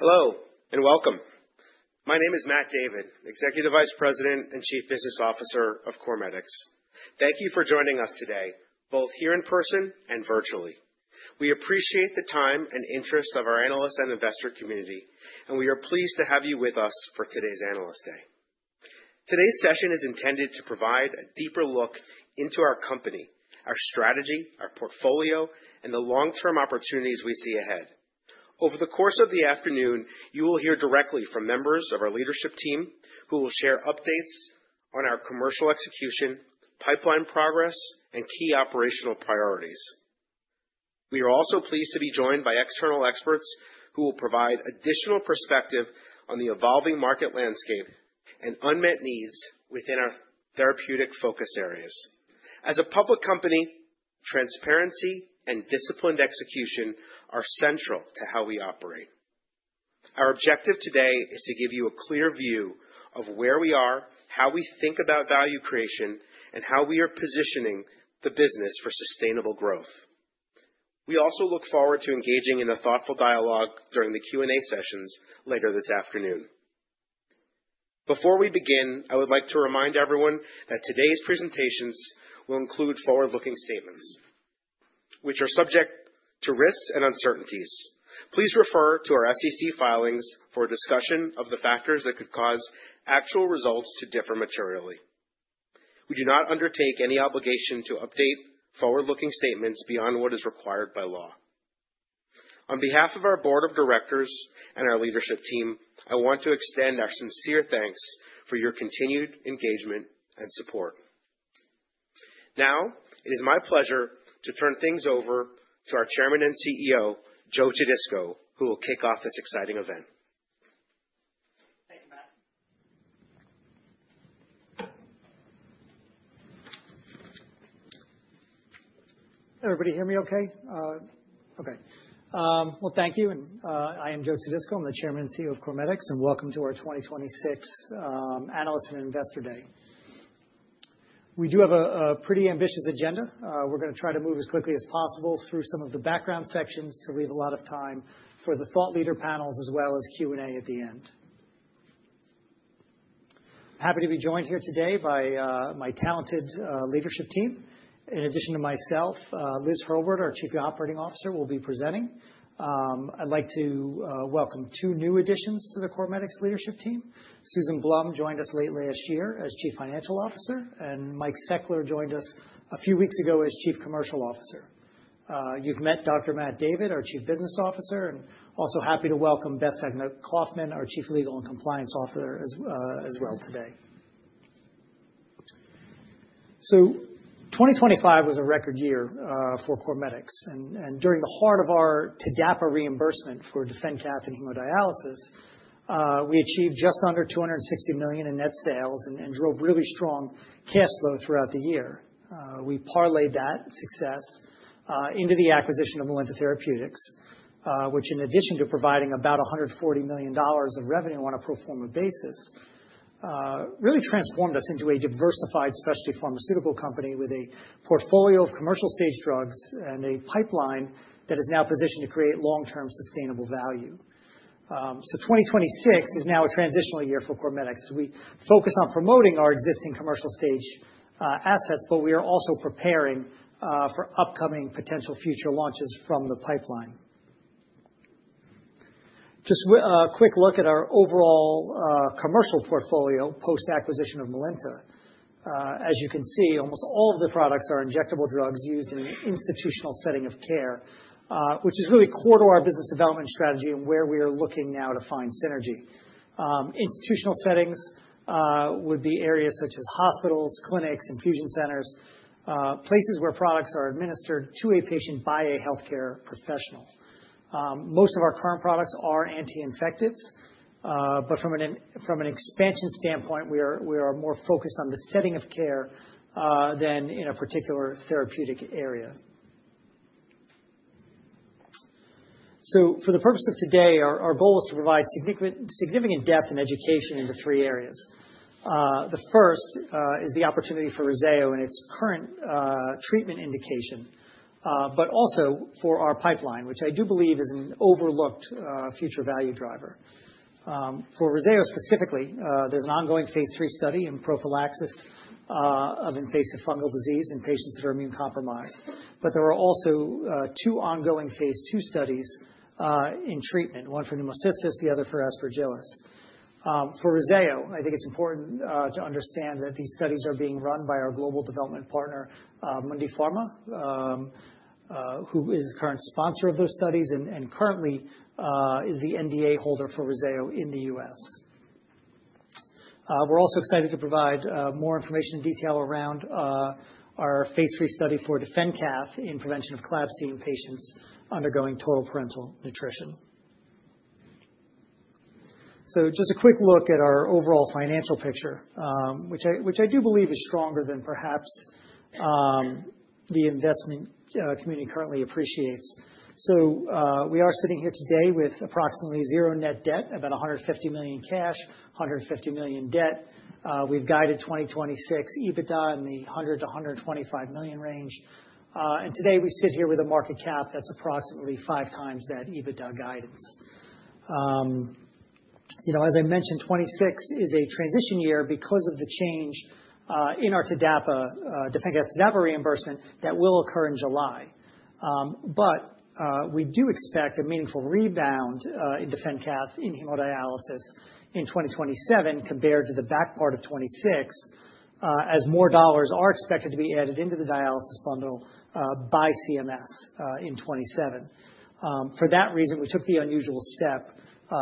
Hello and welcome. My name is Matt David, Executive Vice President and Chief Business Officer of CorMedix. Thank you for joining us today, both here in person and virtually. We appreciate the time and interest of our analyst and investor community, and we are pleased to have you with us for today's Analyst Day. Today's session is intended to provide a deeper look into our company, our strategy, our portfolio, and the long-term opportunities we see ahead. Over the course of the afternoon, you will hear directly from members of our leadership team who will share updates on our commercial execution, pipeline progress, and key operational priorities. We are also pleased to be joined by external experts who will provide additional perspective on the evolving market landscape and unmet needs within our therapeutic focus areas. As a public company, transparency and disciplined execution are central to how we operate. Our objective today is to give you a clear view of where we are, how we think about value creation, and how we are positioning the business for sustainable growth. We also look forward to engaging in a thoughtful dialogue during the Q&A sessions later this afternoon. Before we begin, I would like to remind everyone that today's presentations will include forward-looking statements which are subject to risks and uncertainties. Please refer to our SEC filings for a discussion of the factors that could cause actual results to differ materially. We do not undertake any obligation to update forward-looking statements beyond what is required by law. On behalf of our board of directors and our leadership team, I want to extend our sincere thanks for your continued engagement and support. Now it is my pleasure to turn things over to our Chairman and CEO, Joe Todisco, who will kick off this exciting event. Everybody hear me okay? Okay. Well, thank you. I am Joe Todisco. I'm the Chairman and CEO of CorMedix, and welcome to our 2026 Analyst and Investor Day. We do have a pretty ambitious agenda. We're going to try to move as quickly as possible through some of the background sections to leave a lot of time for the thought leader panels as well as Q&A at the end. I'm happy to be joined here today by my talented leadership team. In addition to myself, Liz Hurlburt, our Chief Operating Officer, will be presenting. I'd like to welcome two new additions to the CorMedix leadership team. Susan Blum joined us late last year as Chief Financial Officer, and Mike Seckler joined us a few weeks ago as Chief Commercial Officer. You've met Dr. Matt David, our Chief Business Officer, and also happy to welcome Beth Levine, our Chief Legal and Compliance Officer, as well today. So 2025 was a record year for CorMedix. And during the heart of our TDAPA reimbursement for DefenCath and hemodialysis, we achieved just under $260 million in net sales and drove really strong cash flow throughout the year. We parlayed that success into the acquisition of Melinta Therapeutics, which, in addition to providing about $140 million of revenue on a pro forma basis, really transformed us into a diversified specialty pharmaceutical company with a portfolio of commercial stage drugs and a pipeline that is now positioned to create long-term sustainable value. So 2026 is now a transitional year for CorMedix, as we focus on promoting our existing commercial stage assets, but we are also preparing for upcoming potential future launches from the pipeline. Just a quick look at our overall commercial portfolio post-acquisition of Melinta. As you can see, almost all of the products are injectable drugs used in an institutional setting of care, which is really core to our business development strategy and where we are looking now to find synergy. Institutional settings would be areas such as hospitals, clinics, infusion centers, places where products are administered to a patient by a healthcare professional. Most of our current products are anti-infectives, but from an expansion standpoint, we are more focused on the setting of care than in a particular therapeutic area. So for the purpose of today, our goal is to provide significant depth and education into three areas. The first is the opportunity for Rezzayo and its current treatment indication, but also for our pipeline, which I do believe is an overlooked future value driver. For Rezzayo specifically, there's an ongoing phase III study in prophylaxis of invasive fungal disease in patients that are immunocompromised. But there are also two ongoing phase II studies in treatment, one for pneumocystis, the other for aspergillosis. For Rezzayo, I think it's important to understand that these studies are being run by our global development partner, Mundipharma, who is the current sponsor of those studies and currently is the NDA holder for Rezzayo in the US. We're also excited to provide more information and detail around our phase III study for DefenCath in prevention of CLABSI patients undergoing total parenteral nutrition. So just a quick look at our overall financial picture, which I do believe is stronger than perhaps the investment community currently appreciates. So we are sitting here today with approximately 0 net debt, about $150 million cash, $150 million debt. We've guided 2026 EBITDA in the $100-$125 million range. Today we sit here with a market cap that's approximately five times that EBITDA guidance. As I mentioned, 2026 is a transition year because of the change in our TDAPA, DefenCath TDAPA reimbursement that will occur in July. But we do expect a meaningful rebound in DefenCath in hemodialysis in 2027 compared to the back part of 2026, as more dollars are expected to be added into the dialysis bundle by CMS in 2027. For that reason, we took the unusual step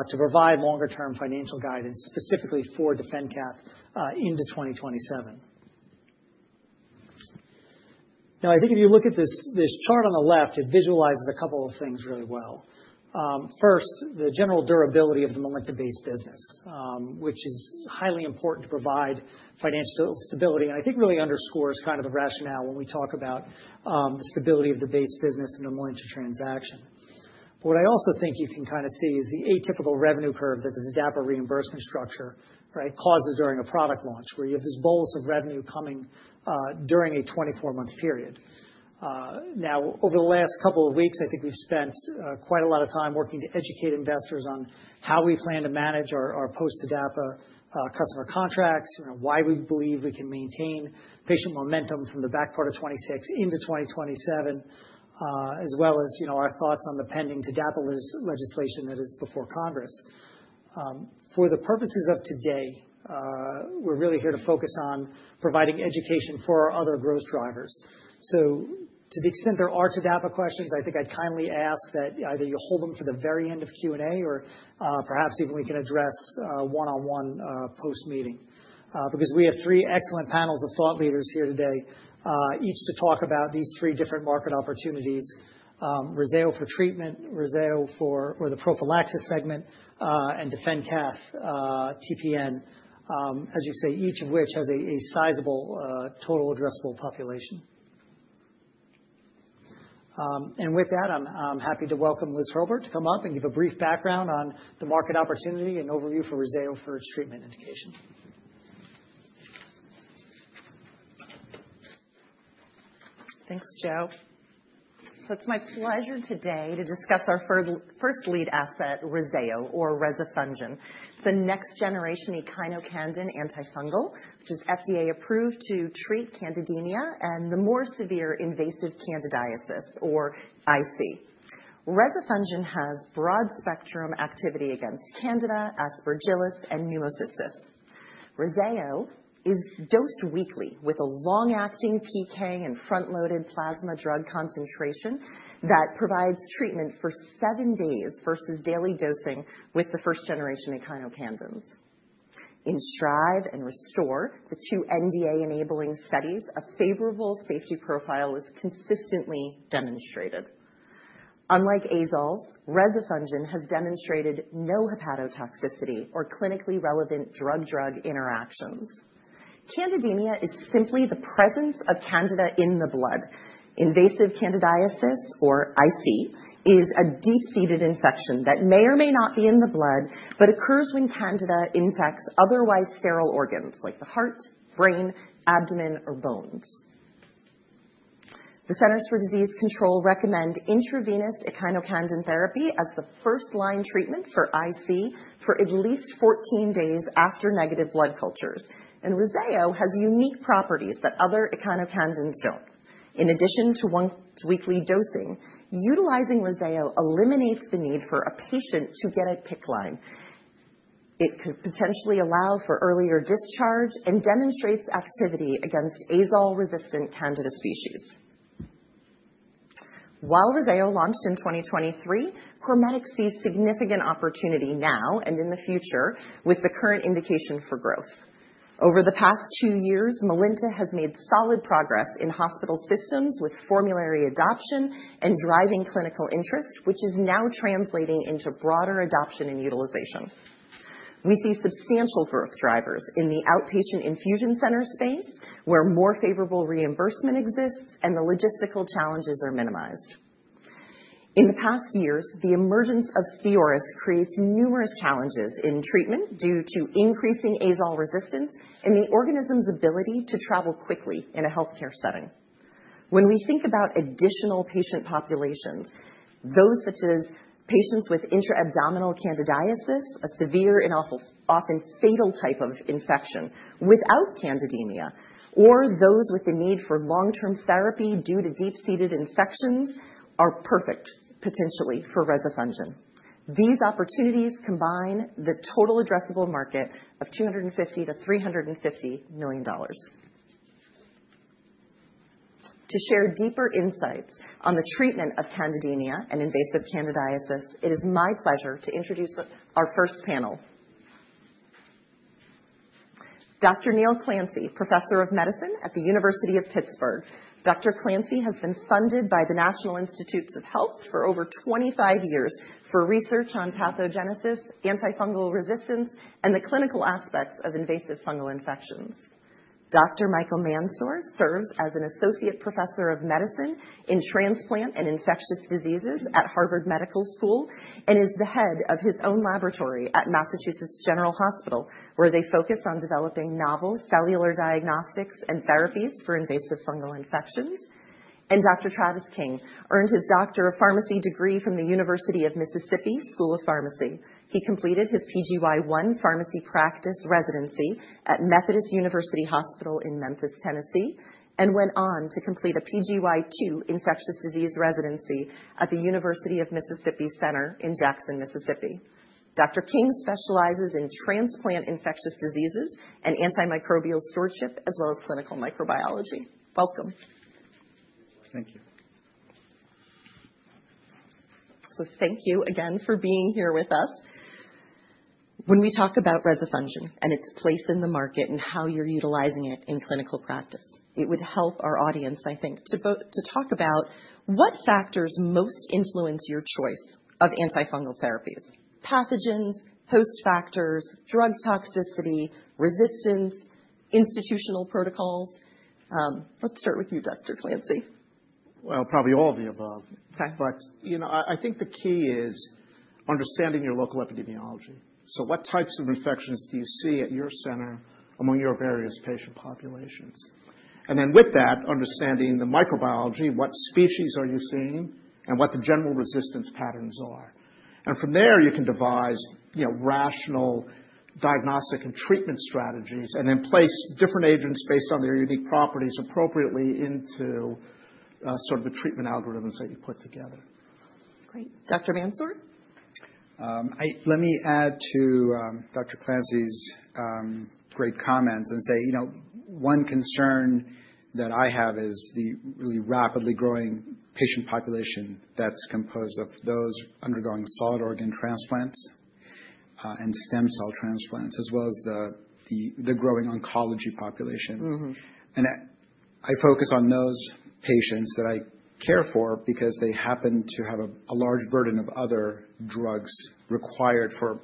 to provide longer-term financial guidance specifically for DefenCath into 2027. Now, I think if you look at this chart on the left, it visualizes a couple of things really well. First, the general durability of the Melinta-based business, which is highly important to provide financial stability and I think really underscores kind of the rationale when we talk about the stability of the base business and the Melinta transaction. But what I also think you can kind of see is the atypical revenue curve that the TDAPA reimbursement structure causes during a product launch, where you have this bolus of revenue coming during a 24-month period. Now, over the last couple of weeks, I think we've spent quite a lot of time working to educate investors on how we plan to manage our post-TDAPA customer contracts, why we believe we can maintain patient momentum from the back part of 2026 into 2027, as well as our thoughts on the pending TDAPA legislation that is before Congress. For the purposes of today, we're really here to focus on providing education for our other growth drivers. So to the extent there are TDAPA questions, I think I'd kindly ask that either you hold them for the very end of Q&A or perhaps even we can address one-on-one post-meeting. Because we have three excellent panels of thought leaders here today, each to talk about these three different market opportunities: Rezzayo for treatment, Rezzayo for the prophylaxis segment, and DefendCath TPN, as you say, each of which has a sizable total addressable population. And with that, I'm happy to welcome Liz Hurlburt to come up and give a brief background on the market opportunity and overview for Rezzayo for its treatment indication. Thanks, Joe. So it's my pleasure today to discuss our first lead asset, Rezzayo, or Rezafungin. It's a next-generation echinocandin antifungal, which is FDA-approved to treat candidemia and the more severe invasive candidiasis, or IC. Rezafungin has broad-spectrum activity against Candida, Aspergillus, and Pneumocystis. Rezzayo is dosed weekly with a long-acting PK and front-loaded plasma drug concentration that provides treatment for seven days versus daily dosing with the first-generation echinocandins. In STRIVE and ReSTORE, the two NDA-enabling studies, a favorable safety profile was consistently demonstrated. Unlike azoles, Rezafungin has demonstrated no hepatotoxicity or clinically relevant drug-drug interactions. Candidemia is simply the presence of Candida in the blood. Invasive candidiasis, or IC, is a deep-seated infection that may or may not be in the blood but occurs when Candida infects otherwise sterile organs like the heart, brain, abdomen, or bones. The Centers for Disease Control recommend intravenous echinocandin therapy as the first-line treatment for IC for at least 14 days after negative blood cultures. Rezzayo has unique properties that other echinocandins don't. In addition to once-weekly dosing, utilizing Rezzayo eliminates the need for a patient to get a PICC line. It could potentially allow for earlier discharge and demonstrates activity against azole-resistant Candida species. While Rezzayo launched in 2023, CorMedix sees significant opportunity now and in the future with the current indication for growth. Over the past two years, Melinta has made solid progress in hospital systems with formulary adoption and driving clinical interest, which is now translating into broader adoption and utilization. We see substantial growth drivers in the outpatient infusion center space, where more favorable reimbursement exists and the logistical challenges are minimized. In the past years, the emergence of C. auris creates numerous challenges in treatment due to increasing azole resistance and the organism's ability to travel quickly in a healthcare setting. When we think about additional patient populations, those such as patients with intra-abdominal candidiasis, a severe and often fatal type of infection without candidemia, or those with the need for long-term therapy due to deep-seated infections, are perfect, potentially, for Rezafungin. These opportunities combine the total addressable market of $250 million-$350 million. To share deeper insights on the treatment of candidemia and invasive candidiasis, it is my pleasure to introduce our first panel. Dr. Cornelius J. Clancy, Professor of Medicine at the University of Pittsburgh, Dr. Clancy has been funded by the National Institutes of Health for over 25 years for research on pathogenesis, antifungal resistance, and the clinical aspects of invasive fungal infections. Dr. Michael Mansour serves as an Associate Professor of Medicine in Transplant and Infectious Diseases at Harvard Medical School and is the head of his own laboratory at Massachusetts General Hospital, where they focus on developing novel cellular diagnostics and therapies for invasive fungal infections. Dr. Travis King earned his Doctor of Pharmacy degree from the University of Mississippi School of Pharmacy. He completed his PGY-1 Pharmacy Practice residency at Methodist University Hospital in Memphis, Tennessee, and went on to complete a PGY-2 Infectious Disease residency at the University of Mississippi Medical Center in Jackson, Mississippi. Dr. King specializes in transplant infectious diseases and antimicrobial stewardship as well as clinical microbiology. Welcome. Thank you. So thank you again for being here with us. When we talk about Rezafungin and its place in the market and how you're utilizing it in clinical practice, it would help our audience, I think, to talk about what factors most influence your choice of antifungal therapies: pathogens, host factors, drug toxicity, resistance, institutional protocols. Let's start with you, Dr. Clancy. Well, probably all of the above. But I think the key is understanding your local epidemiology. So what types of infections do you see at your center among your various patient populations? And then with that, understanding the microbiology, what species are you seeing and what the general resistance patterns are. And from there, you can devise rational diagnostic and treatment strategies and then place different agents based on their unique properties appropriately into sort of the treatment algorithms that you put together. Great. Dr. Mansour? Let me add to Dr. Clancy's great comments and say one concern that I have is the really rapidly growing patient population that's composed of those undergoing solid organ transplants and stem cell transplants, as well as the growing oncology population. I focus on those patients that I care for because they happen to have a large burden of other drugs required for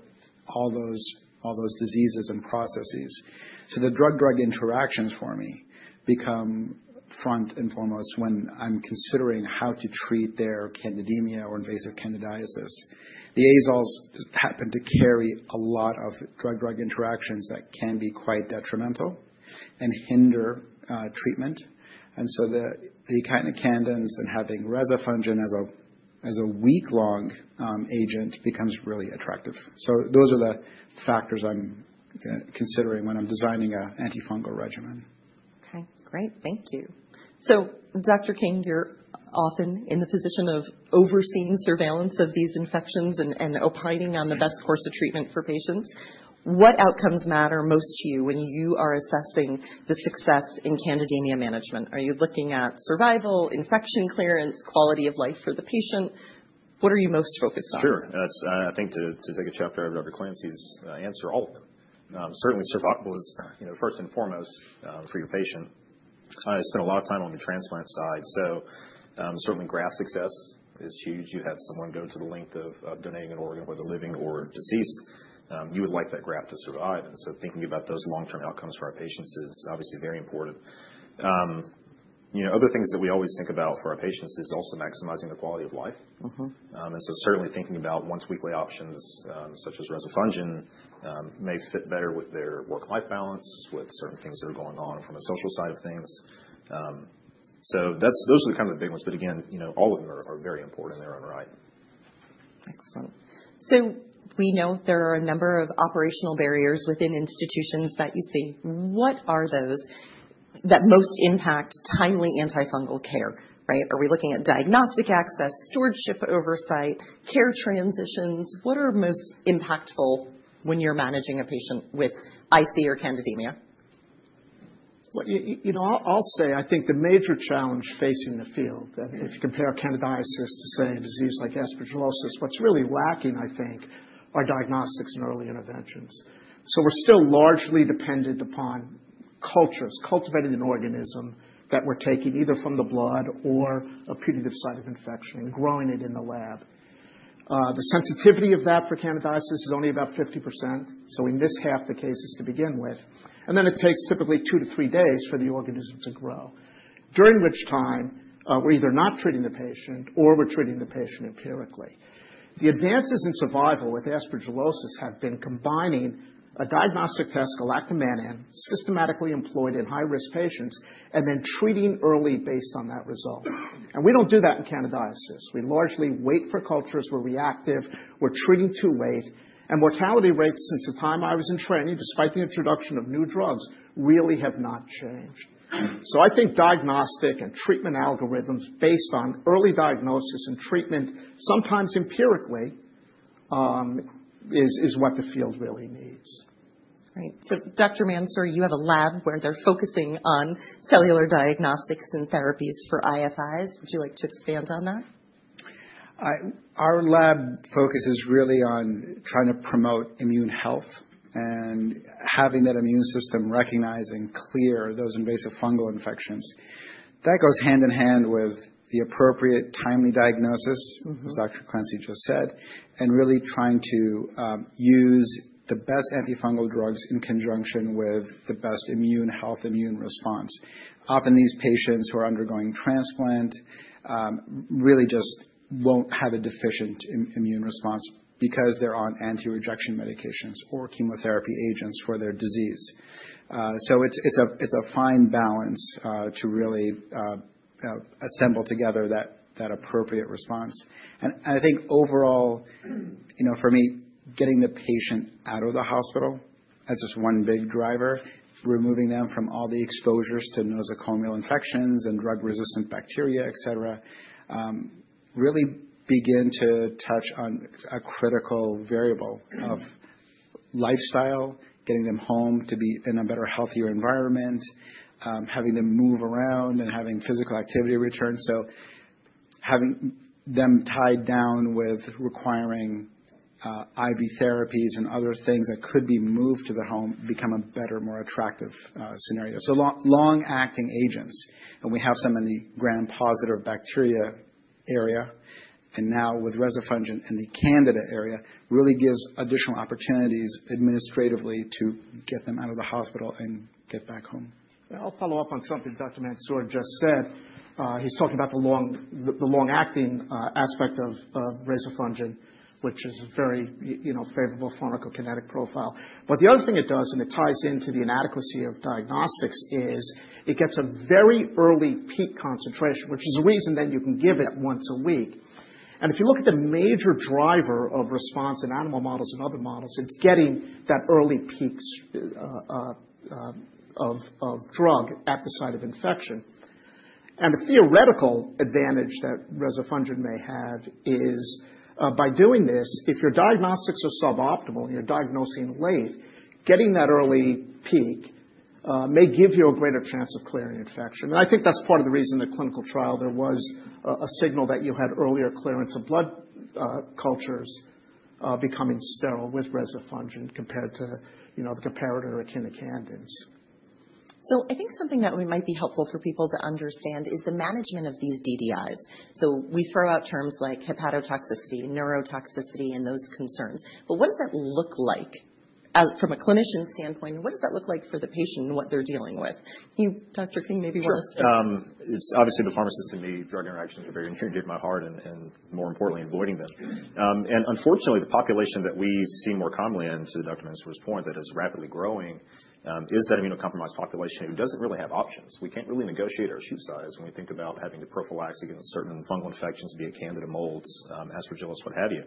all those diseases and processes. So the drug-drug interactions for me become front and foremost when I'm considering how to treat their candidemia or invasive candidiasis. The azoles happen to carry a lot of drug-drug interactions that can be quite detrimental and hinder treatment. So the echinocandins and having rezafungin as a week-long agent becomes really attractive. So those are the factors I'm considering when I'm designing an antifungal regimen. Okay. Great. Thank you. So Dr. King, you're often in the position of overseeing surveillance of these infections and opining on the best course of treatment for patients. What outcomes matter most to you when you are assessing the success in candidemia management? Are you looking at survival, infection clearance, quality of life for the patient? What are you most focused on? Sure. I think to take a chapter out of Dr. Clancy's answer, all of them. Certainly, survival is first and foremost for your patient. I spend a lot of time on the transplant side. So certainly, graft success is huge. You have someone go to the length of donating an organ, whether living or deceased. You would like that graft to survive. And so thinking about those long-term outcomes for our patients is obviously very important. Other things that we always think about for our patients is also maximizing the quality of life. And so certainly, thinking about once-weekly options such as Rezafungin may fit better with their work-life balance, with certain things that are going on from a social side of things. So those are the kind of the big ones. But again, all of them are very important in their own right. Excellent. So we know there are a number of operational barriers within institutions that you see. What are those that most impact timely antifungal care, right? Are we looking at diagnostic access, stewardship oversight, care transitions? What are most impactful when you're managing a patient with IC or candidemia? Well, I'll say I think the major challenge facing the field, if you compare candidiasis to, say, a disease like aspergillosis, what's really lacking, I think, are diagnostics and early interventions. So we're still largely dependent upon cultures, cultivating an organism that we're taking either from the blood or a putative site of infection and growing it in the lab. The sensitivity of that for candidiasis is only about 50%. So we miss half the cases to begin with. And then it takes typically 2-3 days for the organism to grow, during which time we're either not treating the patient or we're treating the patient empirically. The advances in survival with aspergillosis have been combining a diagnostic test, galactomannan, systematically employed in high-risk patients, and then treating early based on that result. And we don't do that in candidiasis. We largely wait for cultures. We're reactive. We're treating too late. Mortality rates since the time I was in training, despite the introduction of new drugs, really have not changed. I think diagnostic and treatment algorithms based on early diagnosis and treatment, sometimes empirically, is what the field really needs. Great. So Dr. Mansour, you have a lab where they're focusing on cellular diagnostics and therapies for IFIs. Would you like to expand on that? Our lab focuses really on trying to promote immune health and having that immune system recognize and clear those invasive fungal infections. That goes hand in hand with the appropriate timely diagnosis, as Dr. Clancy just said, and really trying to use the best antifungal drugs in conjunction with the best immune health immune response. Often, these patients who are undergoing transplant really just won't have a deficient immune response because they're on anti-rejection medications or chemotherapy agents for their disease. So it's a fine balance to really assemble together that appropriate response. I think overall, for me, getting the patient out of the hospital as just one big driver, removing them from all the exposures to nosocomial infections and drug-resistant bacteria, etc., really begin to touch on a critical variable of lifestyle, getting them home to be in a better, healthier environment, having them move around, and having physical activity return. So having them tied down with requiring IV therapies and other things that could be moved to the home become a better, more attractive scenario. So long-acting agents. And we have some in the gram-positive bacteria area. And now with rezafungin in the Candida area, really gives additional opportunities administratively to get them out of the hospital and get back home. I'll follow up on something Dr. Mansour just said. He's talking about the long-acting aspect of Rezafungin, which is a very favorable pharmacokinetic profile. But the other thing it does, and it ties into the inadequacy of diagnostics, is it gets a very early peak concentration, which is a reason then you can give it once a week. And if you look at the major driver of response in animal models and other models, it's getting that early peak of drug at the site of infection. And the theoretical advantage that Rezafungin may have is by doing this, if your diagnostics are suboptimal and you're diagnosing late, getting that early peak may give you a greater chance of clearing infection. I think that's part of the reason the clinical trial there was a signal that you had earlier clearance of blood cultures becoming sterile with Rezafungin compared to the comparator echinocandins. So, I think something that might be helpful for people to understand is the management of these DDIs. So, we throw out terms like hepatotoxicity, neurotoxicity, and those concerns. But what does that look like from a clinician standpoint? And what does that look like for the patient and what they're dealing with? Can you, Dr. King, maybe want to say? Sure. It's obviously the pharmacist and me. Drug interactions are very near and dear to my heart and, more importantly, avoiding them. Unfortunately, the population that we see more commonly, and to Dr. Mansour's point, that is rapidly growing is that immunocompromised population who doesn't really have options. We can't really negotiate our shoe size when we think about having to prophylax against certain fungal infections, be it Candida molds, Aspergillus, what have you.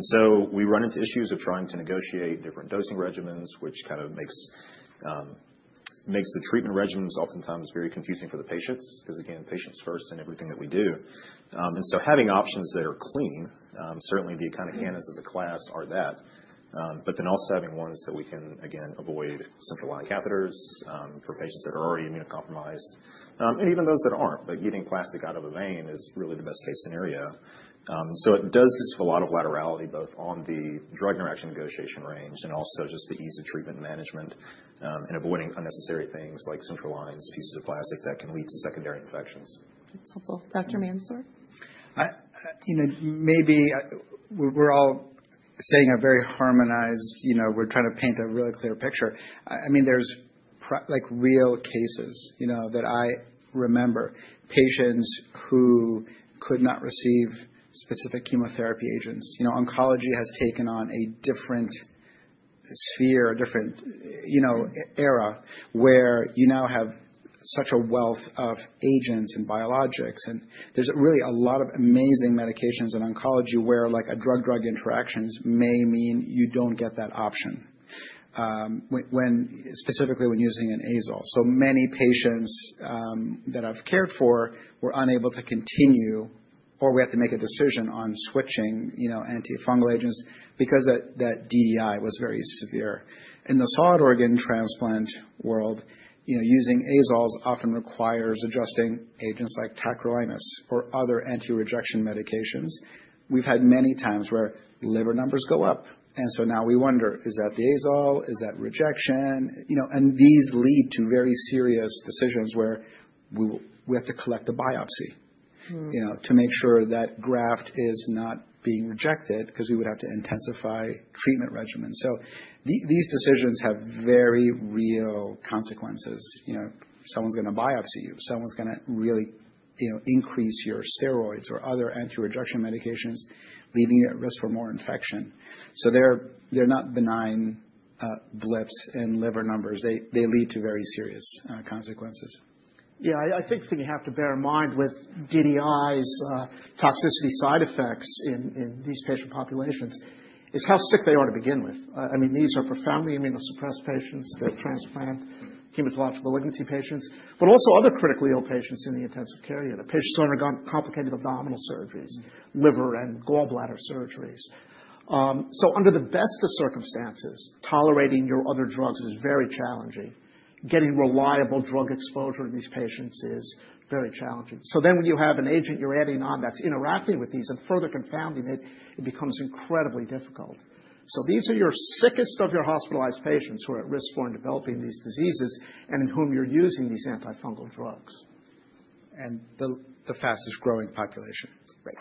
So we run into issues of trying to negotiate different dosing regimens, which kind of makes the treatment regimens oftentimes very confusing for the patients because, again, patients first in everything that we do. So having options that are clean, certainly the echinocandins as a class are that, but then also having ones that we can, again, avoid central line catheters for patients that are already immunocompromised, and even those that aren't. But getting plastic out of a vein is really the best-case scenario. So it does give us a lot of latitude both on the drug interaction negotiation range and also just the ease of treatment management and avoiding unnecessary things like central lines, pieces of plastic that can lead to secondary infections. That's helpful. Dr. Mansour? Maybe we're all saying a very harmonized. We're trying to paint a really clear picture. I mean, there's real cases that I remember, patients who could not receive specific chemotherapy agents. Oncology has taken on a different sphere, a different era, where you now have such a wealth of agents and biologics. And there's really a lot of amazing medications in oncology where a drug-drug interactions may mean you don't get that option, specifically when using an azole. So many patients that I've cared for were unable to continue, or we had to make a decision on switching antifungal agents because that DDI was very severe. In the solid organ transplant world, using azoles often requires adjusting agents like Tacrolimus or other anti-rejection medications. We've had many times where liver numbers go up. And so now we wonder, is that the azole? Is that rejection? These lead to very serious decisions where we have to collect a biopsy to make sure that graft is not being rejected because we would have to intensify treatment regimens. These decisions have very real consequences. Someone's going to biopsy you. Someone's going to really increase your steroids or other anti-rejection medications, leaving you at risk for more infection. They're not benign blips in liver numbers. They lead to very serious consequences. Yeah. I think the thing you have to bear in mind with DDIs, toxicity side effects in these patient populations, is how sick they are to begin with. I mean, these are profoundly immunosuppressed patients. They're transplant hematological malignancy patients, but also other critically ill patients in the intensive care unit, patients who undergone complicated abdominal surgeries, liver and gallbladder surgeries. So under the best of circumstances, tolerating your other drugs is very challenging. Getting reliable drug exposure to these patients is very challenging. So then when you have an agent you're adding on that's interacting with these and further confounding it, it becomes incredibly difficult. So these are your sickest of your hospitalized patients who are at risk for developing these diseases and in whom you're using these antifungal drugs. The fastest growing population. Right.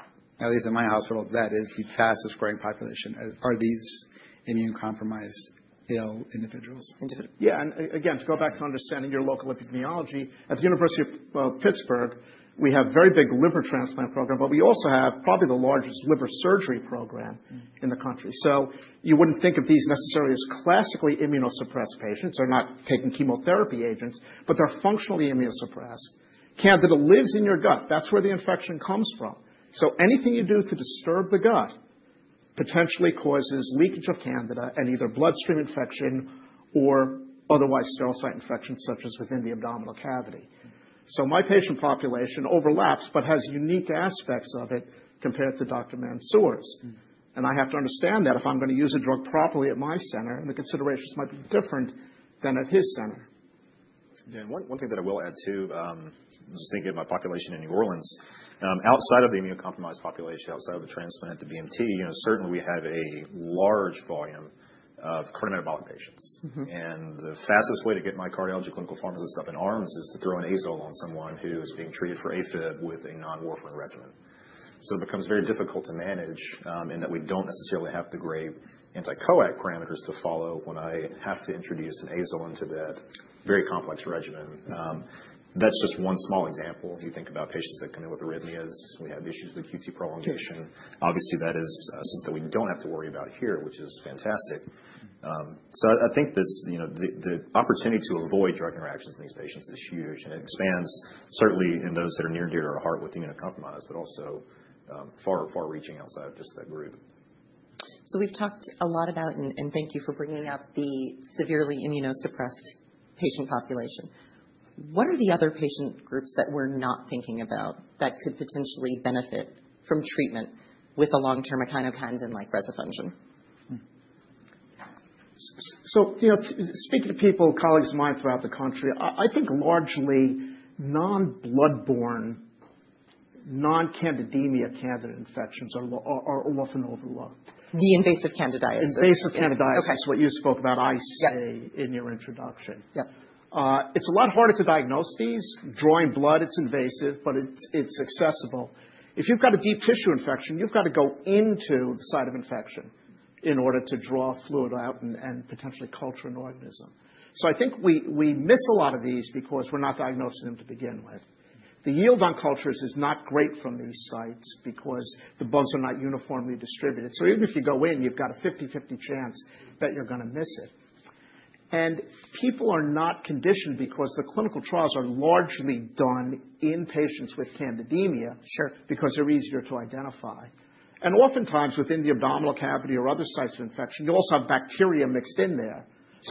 At least in my hospital, that is the fastest growing population. Are these immunocompromised ill individuals? Individuals. Yeah. And again, to go back to understanding your local epidemiology, at the University of Pittsburgh, we have a very big liver transplant program, but we also have probably the largest liver surgery program in the country. So you wouldn't think of these necessarily as classically immunosuppressed patients. They're not taking chemotherapy agents, but they're functionally immunosuppressed. Candida lives in your gut. That's where the infection comes from. So anything you do to disturb the gut potentially causes leakage of Candida and either bloodstream infection or otherwise sterile site infections, such as within the abdominal cavity. So my patient population overlaps but has unique aspects of it compared to Dr. Mansour's. And I have to understand that if I'm going to use a drug properly at my center, the considerations might be different than at his center. Yeah. And one thing that I will add too, I was just thinking of my population in New Orleans. Outside of the immunocompromised population, outside of the transplant, the BMT, certainly we have a large volume of cardiometabolic patients. And the fastest way to get my cardiology clinical pharmacist up in arms is to throw an azole on someone who is being treated for AFib with a non-warfarin regimen. So it becomes very difficult to manage in that we don't necessarily have the great anticoag parameters to follow when I have to introduce an azole into that very complex regimen. That's just one small example. You think about patients that come in with arrhythmias. We have issues with QT prolongation. Obviously, that is something that we don't have to worry about here, which is fantastic. So I think that the opportunity to avoid drug interactions in these patients is huge. It expands, certainly, in those that are near and dear to our heart with immunocompromised, but also far, far-reaching outside of just that group. So we've talked a lot about, and thank you for bringing up, the severely immunosuppressed patient population. What are the other patient groups that we're not thinking about that could potentially benefit from treatment with a long-term echinocandin like Rezafungin? Speaking to people, colleagues of mine throughout the country, I think largely non-bloodborne, non-candidemia Candida infections are often overlooked. The Invasive Candidiasis. Invasive candidiasis is what you spoke about, I see, in your introduction. It's a lot harder to diagnose these. Drawing blood, it's invasive, but it's accessible. If you've got a deep tissue infection, you've got to go into the site of infection in order to draw fluid out and potentially culture an organism. So I think we miss a lot of these because we're not diagnosing them to begin with. The yield on cultures is not great from these sites because the bones are not uniformly distributed. So even if you go in, you've got a 50/50 chance that you're going to miss it. And people are not conditioned because the clinical trials are largely done in patients with candidemia because they're easier to identify. And oftentimes, within the abdominal cavity or other sites of infection, you also have bacteria mixed in there.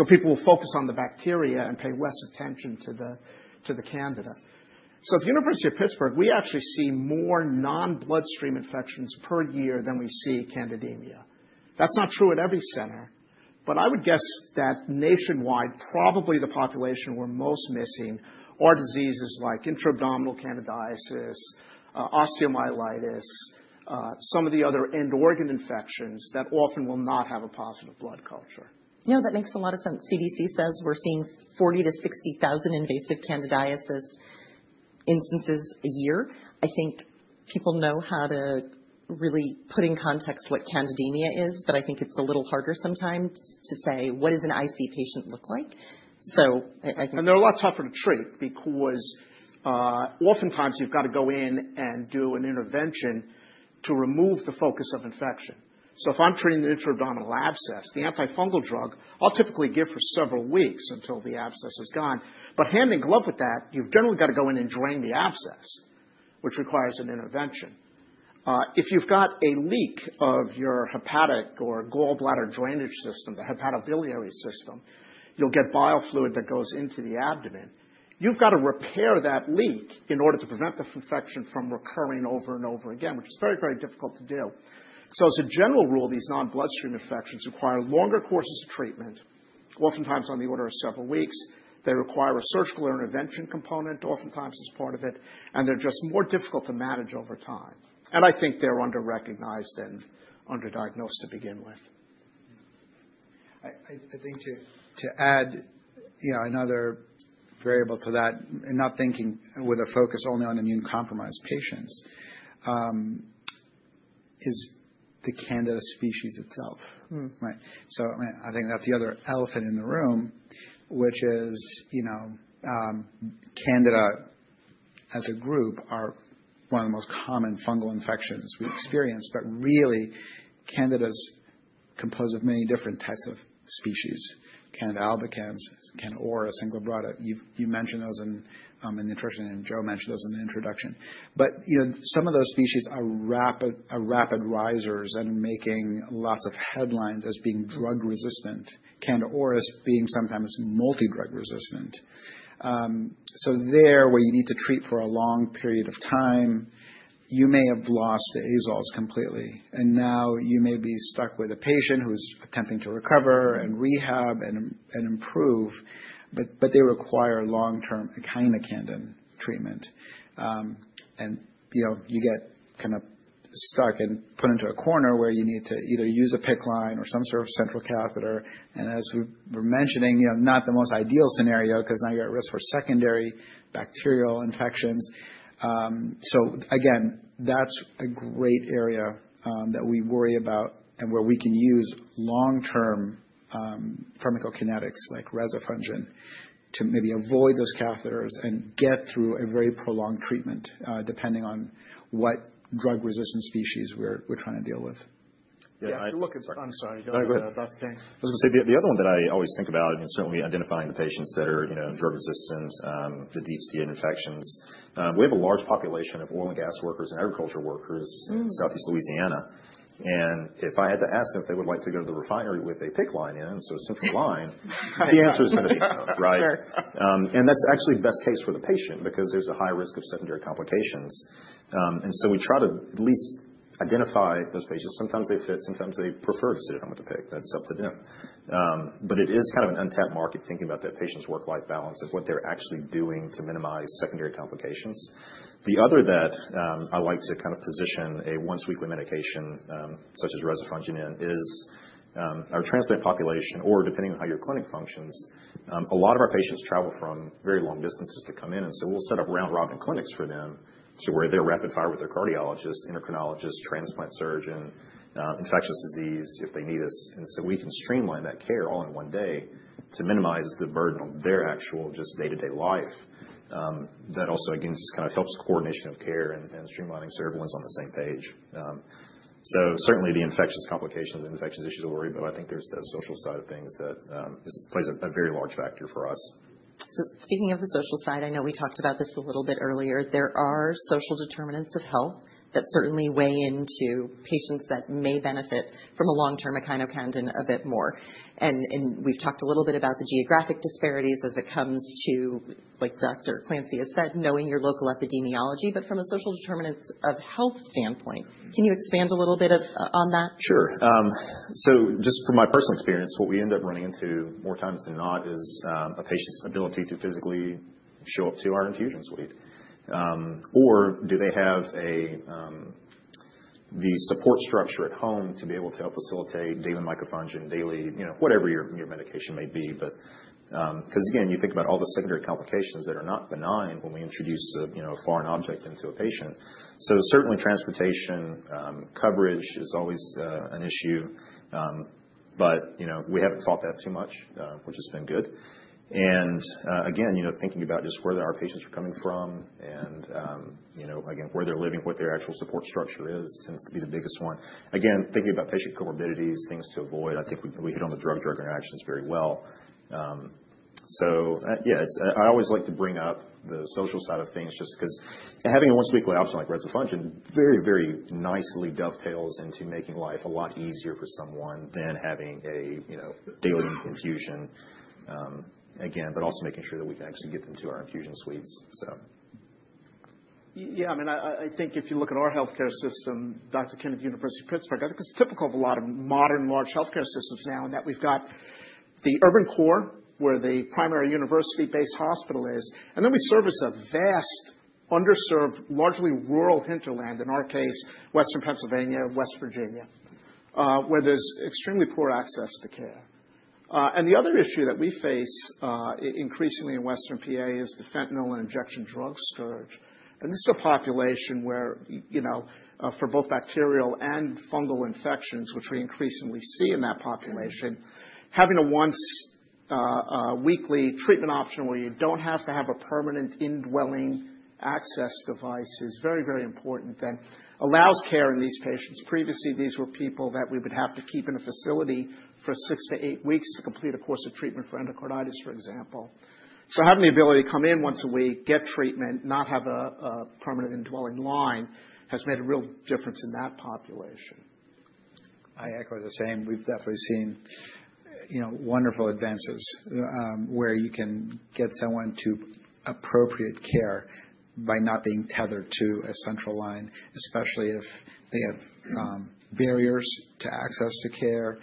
People will focus on the bacteria and pay less attention to the candida. At the University of Pittsburgh, we actually see more non-bloodstream infections per year than we see candidemia. That's not true at every center, but I would guess that nationwide, probably the population we're most missing are diseases like intra-abdominal candidiasis, osteomyelitis, some of the other end-organ infections that often will not have a positive blood culture. No, that makes a lot of sense. CDC says we're seeing 40,000-60,000 invasive candidiasis instances a year. I think people know how to really put in context what candidemia is, but I think it's a little harder sometimes to say, "What does an IC patient look like?" So I think. They're a lot tougher to treat because oftentimes you've got to go in and do an intervention to remove the focus of infection. If I'm treating the intra-abdominal abscess, the antifungal drug, I'll typically give for several weeks until the abscess is gone. Hand in glove with that, you've generally got to go in and drain the abscess, which requires an intervention. If you've got a leak of your hepatic or gallbladder drainage system, the hepatobiliary system, you'll get bile fluid that goes into the abdomen. You've got to repair that leak in order to prevent the infection from recurring over and over again, which is very, very difficult to do. As a general rule, these non-bloodstream infections require longer courses of treatment, oftentimes on the order of several weeks. They require a surgical intervention component oftentimes as part of it. They're just more difficult to manage over time. I think they're underrecognized and underdiagnosed to begin with. I think to add another variable to that, and not thinking with a focus only on immunocompromised patients, is the Candida species itself, right? So I mean, I think that's the other elephant in the room, which is Candida as a group are one of the most common fungal infections we experience. But really, Candida is composed of many different types of species, Candida albicans, Candida auris, and Candida glabrata. You mentioned those in the introduction, and Joe mentioned those in the introduction. But some of those species are rapid risers and making lots of headlines as being drug-resistant, Candida auris being sometimes multi-drug resistant. So there, where you need to treat for a long period of time, you may have lost the azoles completely. And now you may be stuck with a patient who is attempting to recover and rehab and improve, but they require long-term echinocandin treatment. You get kind of stuck and put into a corner where you need to either use a PICC line or some sort of central catheter. As we were mentioning, not the most ideal scenario because now you're at risk for secondary bacterial infections. Again, that's a great area that we worry about and where we can use long-term pharmacokinetics like Rezafungin to maybe avoid those catheters and get through a very prolonged treatment, depending on what drug-resistant species we're trying to deal with. Yeah. I'm sorry. I'm sorry. Go ahead, Dr. King. I was going to say the other one that I always think about, and certainly identifying the patients that are drug-resistant, the DFCA infections. We have a large population of oil and gas workers and agriculture workers in Southeast Louisiana. If I had to ask them if they would like to go to the refinery with a PICC line in, so a central line, the answer is going to be no, right? That's actually best-case for the patient because there's a high risk of secondary complications. We try to at least identify those patients. Sometimes they fit. Sometimes they prefer to sit at home with a PICC. That's up to them. It is kind of an untapped market thinking about that patient's work-life balance and what they're actually doing to minimize secondary complications. The other that I like to kind of position a once-weekly medication such as Rezafungin in is our transplant population, or depending on how your clinic functions, a lot of our patients travel from very long distances to come in. So we'll set up round-robin clinics for them to where they're rapid-fire with their cardiologist, endocrinologist, transplant surgeon, infectious disease if they need us. So we can streamline that care all in one day to minimize the burden on their actual just day-to-day life. That also, again, just kind of helps coordination of care and streamlining so everyone's on the same page. Certainly, the infectious complications, the infectious issues will worry, but I think there's that social side of things that plays a very large factor for us. Speaking of the social side, I know we talked about this a little bit earlier. There are social determinants of health that certainly weigh into patients that may benefit from a long-term echinocandin a bit more. We've talked a little bit about the geographic disparities as it comes to, like Dr. Clancy has said, knowing your local epidemiology. But from a social determinants of health standpoint, can you expand a little bit on that? Sure. So just from my personal experience, what we end up running into more times than not is a patient's ability to physically show up to our infusion suite. Or do they have the support structure at home to be able to help facilitate daily micafungin, daily whatever your medication may be? Because again, you think about all the secondary complications that are not benign when we introduce a foreign object into a patient. So certainly, transportation coverage is always an issue. But we haven't fought that too much, which has been good. And again, thinking about just where our patients are coming from and again, where they're living, what their actual support structure is tends to be the biggest one. Again, thinking about patient comorbidities, things to avoid, I think we hit on the drug-drug interactions very well. So yeah, I always like to bring up the social side of things just because having a once-weekly option like rezafungin very, very nicely dovetails into making life a lot easier for someone than having a daily infusion, again, but also making sure that we can actually get them to our infusion suites, so. Yeah. I mean, I think if you look at our healthcare system, Dr. Kenneth, University of Pittsburgh, I think it's typical of a lot of modern large healthcare systems now in that we've got the urban core where the primary university-based hospital is. And then we service a vast underserved, largely rural hinterland, in our case, Western Pennsylvania, West Virginia, where there's extremely poor access to care. And the other issue that we face increasingly in Western PA is the fentanyl and injection drug scourge. And this is a population where, for both bacterial and fungal infections, which we increasingly see in that population, having a once-weekly treatment option where you don't have to have a permanent indwelling access device is very, very important and allows care in these patients. Previously, these were people that we would have to keep in a facility for 6-8 weeks to complete a course of treatment for endocarditis, for example. Having the ability to come in once a week, get treatment, not have a permanent indwelling line has made a real difference in that population. I echo the same. We've definitely seen wonderful advances where you can get someone to appropriate care by not being tethered to a central line, especially if they have barriers to access to care,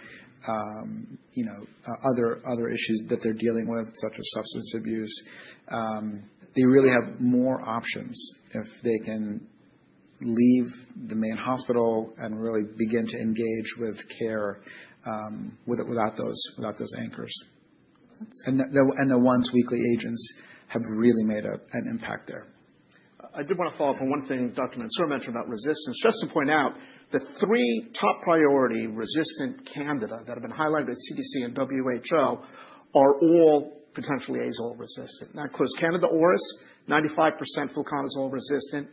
other issues that they're dealing with, such as substance abuse. They really have more options if they can leave the main hospital and really begin to engage with care without those anchors. The once-weekly agents have really made an impact there. I did want to follow up on one thing Dr. Mansour mentioned about resistance, just to point out that three top-priority resistant candida that have been highlighted by CDC and WHO are all potentially azole-resistant. That includes Candida auris, 95% fluconazole-resistant,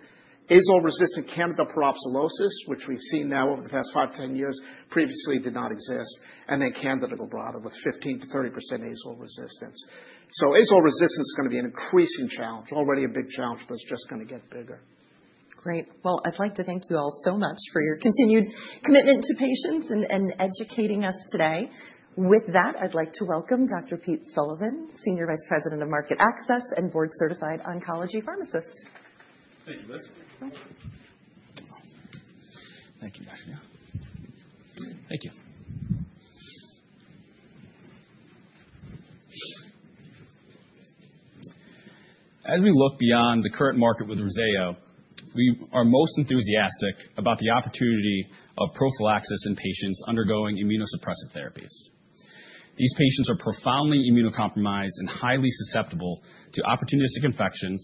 azole-resistant Candida parapsilosis, which we've seen now over the past 5-10 years, previously did not exist, and then Candida glabrata with 15%-30% azole resistance. So azole resistance is going to be an increasing challenge, already a big challenge, but it's just going to get bigger. Great. Well, I'd like to thank you all so much for your continued commitment to patients and educating us today. With that, I'd like to welcome Dr. Pete Sullivan, Senior Vice President of Market Access and Board-Certified Oncology Pharmacist. Thank you, Liz. Thank you, Dr. Neil. Thank you. As we look beyond the current market with Rezzayo, we are most enthusiastic about the opportunity of prophylaxis in patients undergoing immunosuppressive therapies. These patients are profoundly immunocompromised and highly susceptible to opportunistic infections.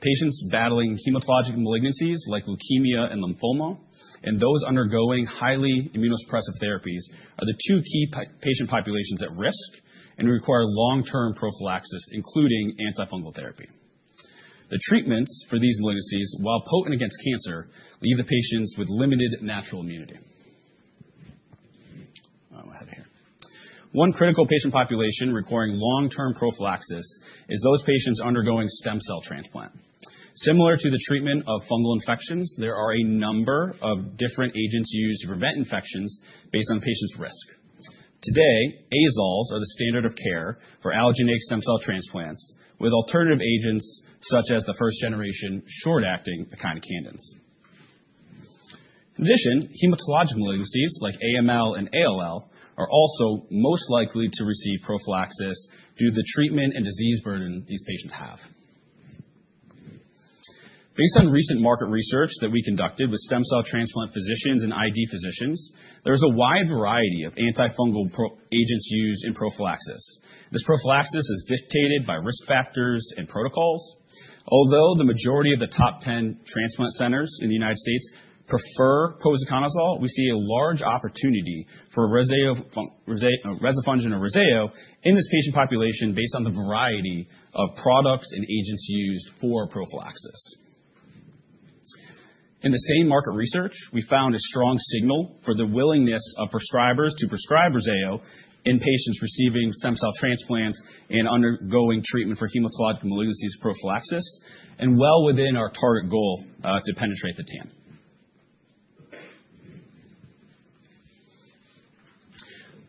Patients battling hematologic malignancies like leukemia and lymphoma, and those undergoing highly immunosuppressive therapies are the two key patient populations at risk and require long-term prophylaxis, including antifungal therapy. The treatments for these malignancies, while potent against cancer, leave the patients with limited natural immunity. I'm ahead of here. One critical patient population requiring long-term prophylaxis is those patients undergoing stem cell transplant. Similar to the treatment of fungal infections, there are a number of different agents used to prevent infections based on patient's risk. Today, azoles are the standard of care for allogeneic stem cell transplants with alternative agents such as the first-generation short-acting echinocandins. In addition, hematologic malignancies like AML and ALL are also most likely to receive prophylaxis due to the treatment and disease burden these patients have. Based on recent market research that we conducted with stem cell transplant physicians and ID physicians, there is a wide variety of antifungal agents used in prophylaxis. This prophylaxis is dictated by risk factors and protocols. Although the majority of the top 10 transplant centers in the United States prefer posaconazole, we see a large opportunity for Rezafungin or Rezzayo in this patient population based on the variety of products and agents used for prophylaxis. In the same market research, we found a strong signal for the willingness of prescribers to prescribe Rezzayo in patients receiving stem cell transplants and undergoing treatment for hematologic malignancies prophylaxis, and well within our target goal to penetrate the TAM.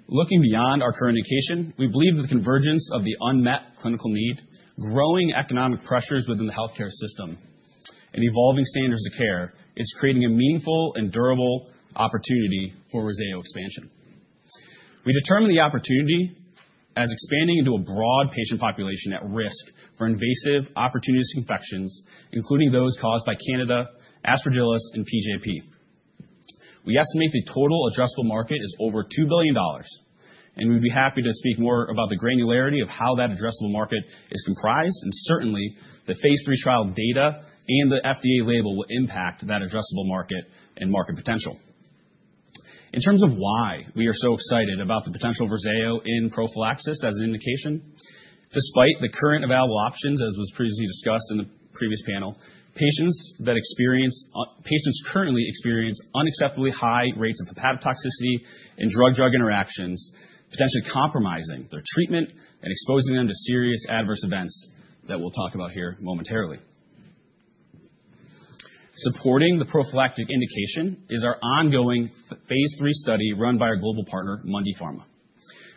Looking beyond our current indication, we believe that the convergence of the unmet clinical need, growing economic pressures within the healthcare system, and evolving standards of care is creating a meaningful and durable opportunity for Rezzayo expansion. We determine the opportunity as expanding into a broad patient population at risk for invasive opportunistic infections, including those caused by Candida, Aspergillus, and PJP. We estimate the total addressable market is over $2 billion. We'd be happy to speak more about the granularity of how that addressable market is comprised. Certainly, the phase 3 trial data and the FDA label will impact that addressable market and market potential. In terms of why we are so excited about the potential of Rezzayo in prophylaxis as an indication, despite the current available options, as was previously discussed in the previous panel, patients currently experience unacceptably high rates of hepatotoxicity and drug-drug interactions, potentially compromising their treatment and exposing them to serious adverse events that we'll talk about here momentarily. Supporting the prophylactic indication is our ongoing phase 3 study run by our global partner, Mundipharma.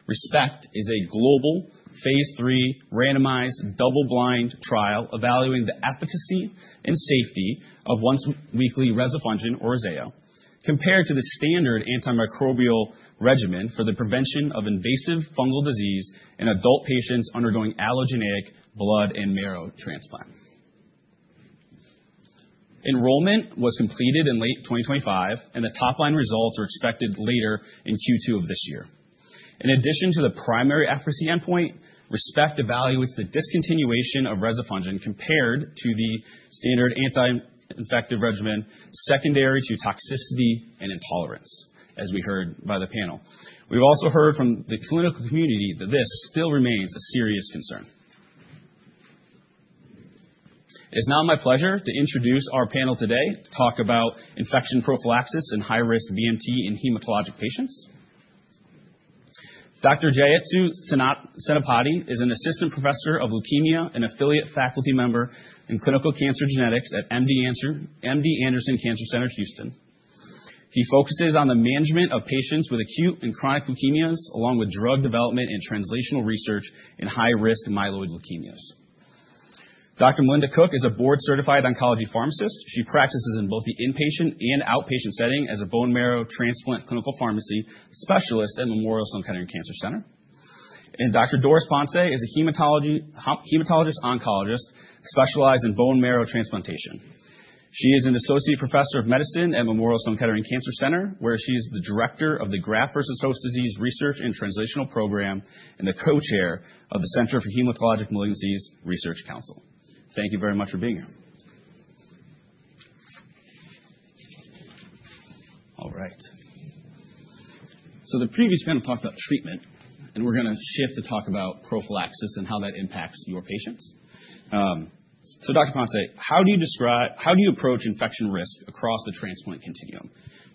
RESPECT is a global phase 3 randomized, double-blind trial evaluating the efficacy and safety of once-weekly rezafungin or Rezzayo compared to the standard antimicrobial regimen for the prevention of invasive fungal disease in adult patients undergoing allogeneic blood and marrow transplant. Enrollment was completed in late 2025, and the top-line results are expected later in Q2 of this year. In addition to the primary efficacy endpoint, RESPECT evaluates the discontinuation of rezafungin compared to the standard anti-infective regimen secondary to toxicity and intolerance, as we heard by the panel. We've also heard from the clinical community that this still remains a serious concern. It is now my pleasure to introduce our panel today to talk about infection prophylaxis and high-risk BMT in hematologic patients. Dr. Jayastu Senapati is an Assistant Professor of Leukemia and Affiliate Faculty Member in Clinical Cancer Genetics at MD Anderson Cancer Center, Houston. He focuses on the management of patients with acute and chronic leukemias, along with drug development and translational research in high-risk myeloid leukemias. Dr. Melinda Cook is a Board-Certified Oncology Pharmacist. She practices in both the inpatient and outpatient setting as a bone marrow transplant clinical pharmacy specialist at Memorial Sloan Kettering Cancer Center. And Dr. Doris Ponce is a hematologist-oncologist specialized in bone marrow transplantation. She is an Associate Professor of Medicine at Memorial Sloan Kettering Cancer Center, where she is the Director of the Graft-versus-Host Disease Research and Translational Program and the Co-Chair of the Center for Hematologic Malignancies Research Council. Thank you very much for being here. All right. So the previous panel talked about treatment, and we're going to shift to talk about prophylaxis and how that impacts your patients. So Dr. Ponce, how do you approach infection risk across the transplant continuum,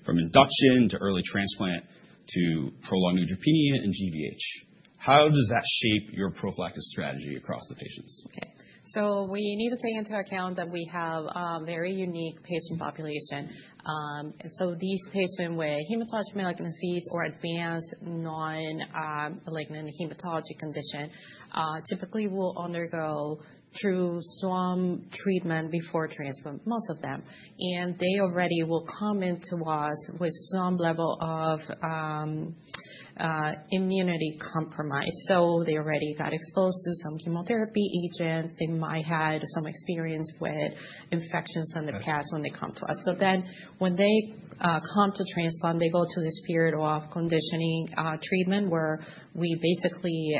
from induction to early transplant to prolonged neutropenia and GVH? How does that shape your prophylactic strategy across the patients? Okay. So we need to take into account that we have a very unique patient population. And so these patients with hematologic malignancies or advanced non-malignant hematologic condition typically will undergo through some treatment before transplant, most of them. And they already will come into us with some level of immunity compromise. So they already got exposed to some chemotherapy agents. They might have had some experience with infections in the past when they come to us. So then when they come to transplant, they go through this period of conditioning treatment where we basically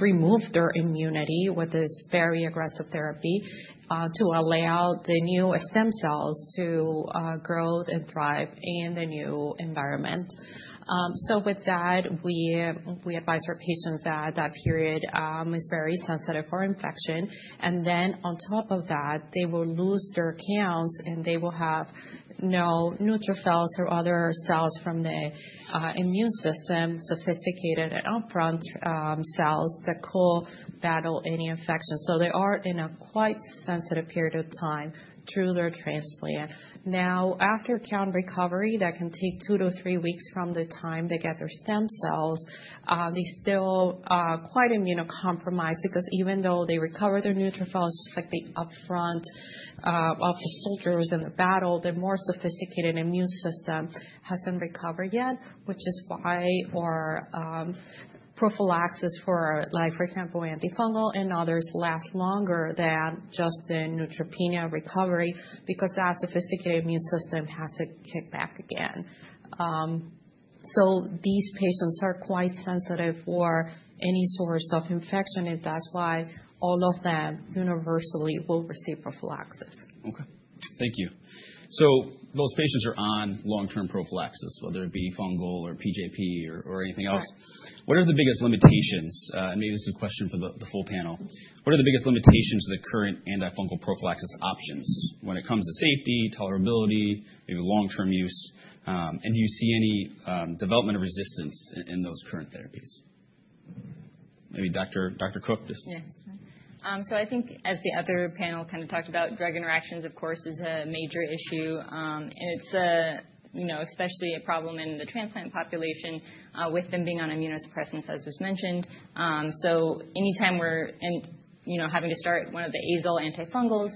remove their immunity with this very aggressive therapy to allow the new stem cells to grow and thrive in the new environment. So with that, we advise our patients that that period is very sensitive for infection. Then on top of that, they will lose their counts, and they will have no neutrophils or other cells from the immune system, sophisticated and upfront cells that could battle any infection. So they are in a quite sensitive period of time through their transplant. Now, after count recovery, that can take 2-3 weeks from the time they get their stem cells. They're still quite immunocompromised because even though they recover their neutrophils, just like the upfront of the soldiers in the battle, their more sophisticated immune system hasn't recovered yet, which is why our prophylaxis for, for example, antifungal and others last longer than just the neutropenia recovery because that sophisticated immune system has to kick back again. So these patients are quite sensitive for any source of infection. That's why all of them universally will receive prophylaxis. Okay. Thank you. So those patients are on long-term prophylaxis, whether it be fungal or PJP or anything else. What are the biggest limitations? And maybe this is a question for the full panel. What are the biggest limitations to the current antifungal prophylaxis options when it comes to safety, tolerability, maybe long-term use? And do you see any development of resistance in those current therapies? Maybe Dr. Cook just. Yes. So I think, as the other panel kind of talked about, drug interactions, of course, is a major issue. And it's especially a problem in the transplant population with them being on immunosuppressants, as was mentioned. So anytime we're having to start one of the azole antifungals,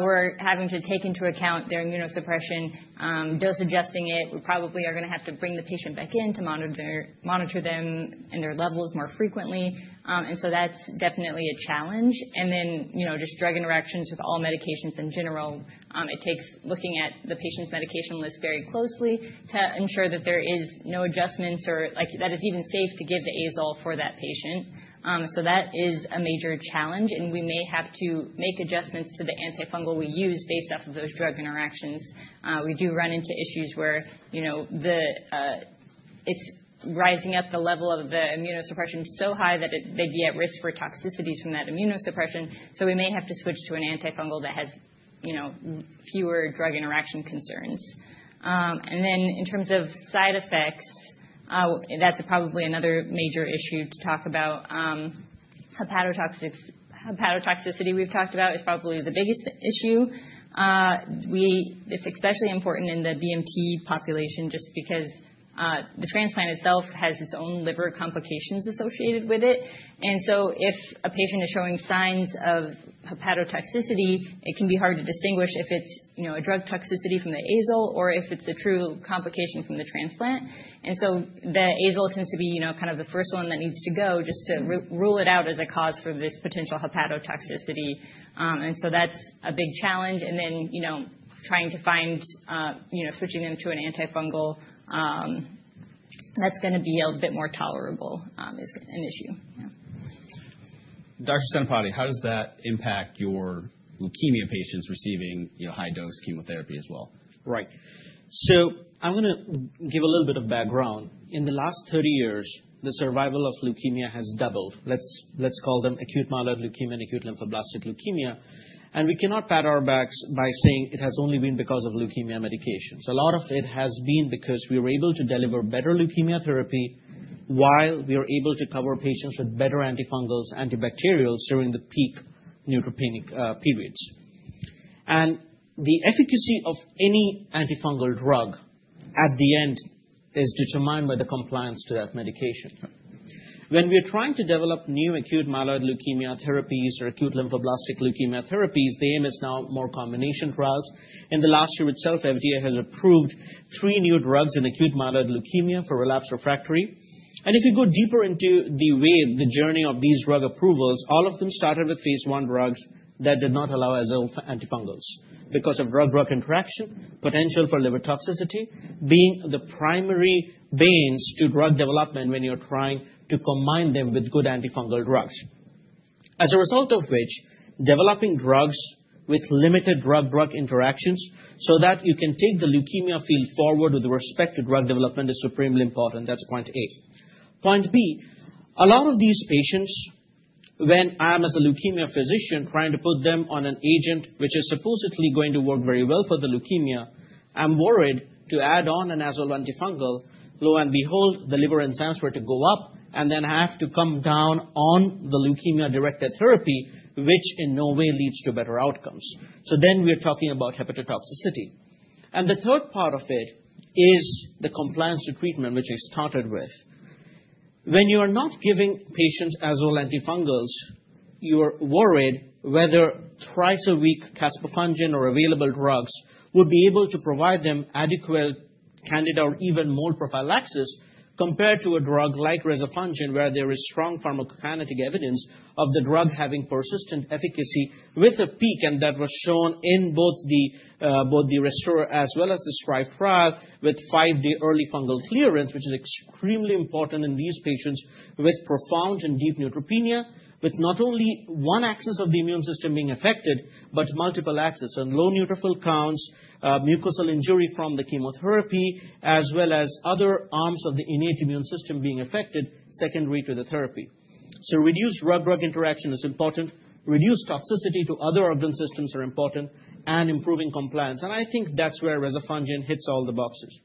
we're having to take into account their immunosuppression, dose-adjusting it. We probably are going to have to bring the patient back in to monitor them and their levels more frequently. And so that's definitely a challenge. And then just drug interactions with all medications in general, it takes looking at the patient's medication list very closely to ensure that there are no adjustments or that it's even safe to give the azole for that patient. So that is a major challenge. And we may have to make adjustments to the antifungal we use based off of those drug interactions. We do run into issues where it's rising up the level of the immunosuppression so high that they'd be at risk for toxicities from that immunosuppression. So we may have to switch to an antifungal that has fewer drug interaction concerns. And then in terms of side effects, that's probably another major issue to talk about. Hepatotoxicity we've talked about is probably the biggest issue. It's especially important in the BMT population just because the transplant itself has its own liver complications associated with it. And so if a patient is showing signs of hepatotoxicity, it can be hard to distinguish if it's a drug toxicity from the azole or if it's a true complication from the transplant. And so the azole tends to be kind of the first one that needs to go just to rule it out as a cause for this potential hepatotoxicity. And so that's a big challenge. And then trying to find switching them to an antifungal that's going to be a bit more tolerable is an issue. Dr. Jayastu Senapati, how does that impact your leukemia patients receiving high-dose chemotherapy as well? Right. So I'm going to give a little bit of background. In the last 30 years, the survival of leukemia has doubled. Let's call them Acute Myeloid Leukemia and Acute Lymphoblastic Leukemia. We cannot pat our backs by saying it has only been because of leukemia medications. A lot of it has been because we were able to deliver better leukemia therapy while we were able to cover patients with better antifungals, antibacterials during the peak neutropenic periods. The efficacy of any antifungal drug at the end is determined by the compliance to that medication. When we are trying to develop new Acute Myeloid Leukemia therapies or Acute Lymphoblastic Leukemia therapies, the aim is now more combination trials. In the last year itself, FDA has approved 3 new drugs in Acute Myeloid Leukemia for relapse refractory. If you go deeper into the journey of these drug approvals, all of them started with phase one drugs that did not allow azole for antifungals because of drug-drug interaction, potential for liver toxicity being the primary bans to drug development when you're trying to combine them with good antifungal drugs. As a result of which, developing drugs with limited drug-drug interactions so that you can take the leukemia field forward with respect to drug development is supremely important. That's point A. Point B, a lot of these patients, when I am as a leukemia physician trying to put them on an agent which is supposedly going to work very well for the leukemia, I'm worried to add on an azole antifungal, lo and behold, the liver enzymes were to go up and then have to come down on the leukemia-directed therapy, which in no way leads to better outcomes. So then we're talking about hepatotoxicity. And the third part of it is the compliance to treatment, which I started with. When you are not giving patients azole antifungals, you're worried whether twice a week Caspofungin or available drugs would be able to provide them adequate Candida or even mold prophylaxis compared to a drug like Rezafungin where there is strong pharmacokinetic evidence of the drug having persistent efficacy with a peak. That was shown in both the ReSTORE as well as the STRIVE trial with five-day early fungal clearance, which is extremely important in these patients with profound and deep neutropenia, with not only one axis of the immune system being affected but multiple axes, so low neutrophil counts, mucosal injury from the chemotherapy, as well as other arms of the innate immune system being affected secondary to the therapy. So reduced drug-drug interaction is important. Reduced toxicity to other organ systems is important. And improving compliance. And I think that's where Rezafungin hits all the boxes.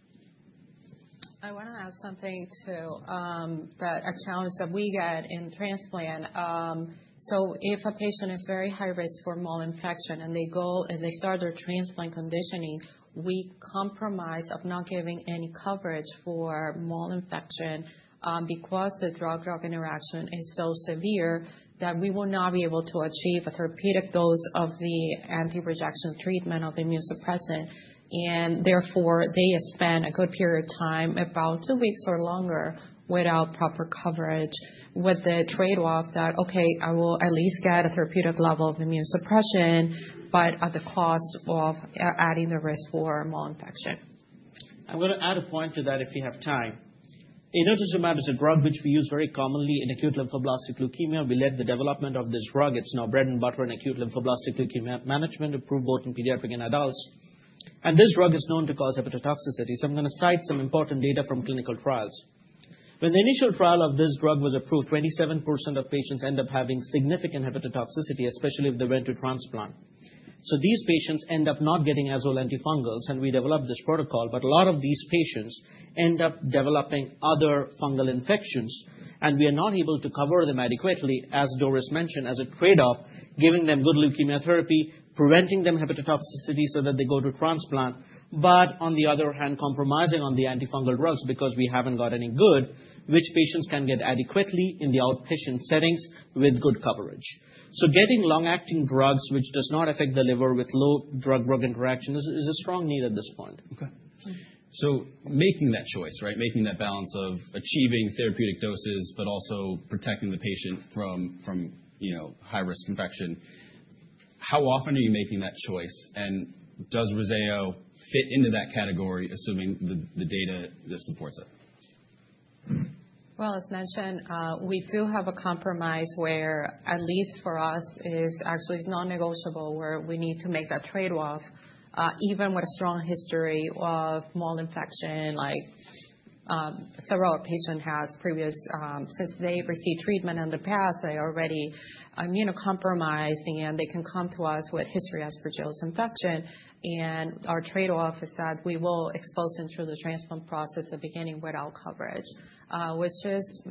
I want to add something too, a challenge that we get in transplant. So if a patient is very high-risk for mold infection and they start their transplant conditioning, we compromise on not giving any coverage for mold infection because the drug-drug interaction is so severe that we will not be able to achieve a therapeutic dose of the anti-rejection treatment of the immunosuppressant. And therefore, they spend a good period of time, about two weeks or longer, without proper coverage with the trade-off that, "Okay, I will at least get a therapeutic level of immunosuppression but at the cost of adding the risk for mold infection. I'm going to add a point to that if you have time. Inotuzumab is a drug which we use very commonly in acute lymphoblastic leukemia. We led the development of this drug. It's now bread and butter in acute lymphoblastic leukemia management, approved both in pediatric and adults. This drug is known to cause hepatotoxicity. I'm going to cite some important data from clinical trials. When the initial trial of this drug was approved, 27% of patients end up having significant hepatotoxicity, especially if they went to transplant. These patients end up not getting azole antifungals. We developed this protocol. A lot of these patients end up developing other fungal infections. We are not able to cover them adequately, as Doris mentioned, as a trade-off, giving them good leukemia therapy, preventing them hepatotoxicity so that they go to transplant, but on the other hand, compromising on the antifungal drugs because we haven't got any good, which patients can get adequately in the outpatient settings with good coverage. Getting long-acting drugs which does not affect the liver with low drug-drug interaction is a strong need at this point. Okay. So making that choice, right, making that balance of achieving therapeutic doses but also protecting the patient from high-risk infection, how often are you making that choice? And does ReSTORE fit into that category, assuming the data supports it? Well, as mentioned, we do have a compromise where, at least for us, it's actually non-negotiable where we need to make that trade-off even with a strong history of mold infection. Several of our patients have previous since they've received treatment in the past, they're already immunocompromised. And they can come to us with history of Aspergillus infection. And our trade-off is that we will expose them through the transplant process, beginning without coverage, which is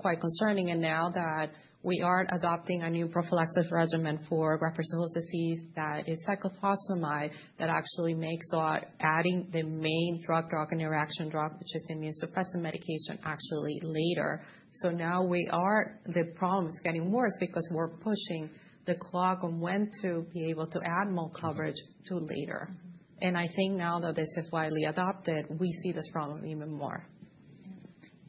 quite concerning. And now that we are adopting a new prophylactic regimen for Graft-versus-Host Disease that is cyclophosphamide that actually makes adding the main drug-drug interaction drug, which is the immunosuppressant medication, actually later. So now the problem is getting worse because we're pushing the clock on when to be able to add more coverage to later. And I think now that this is widely adopted, we see this problem even more.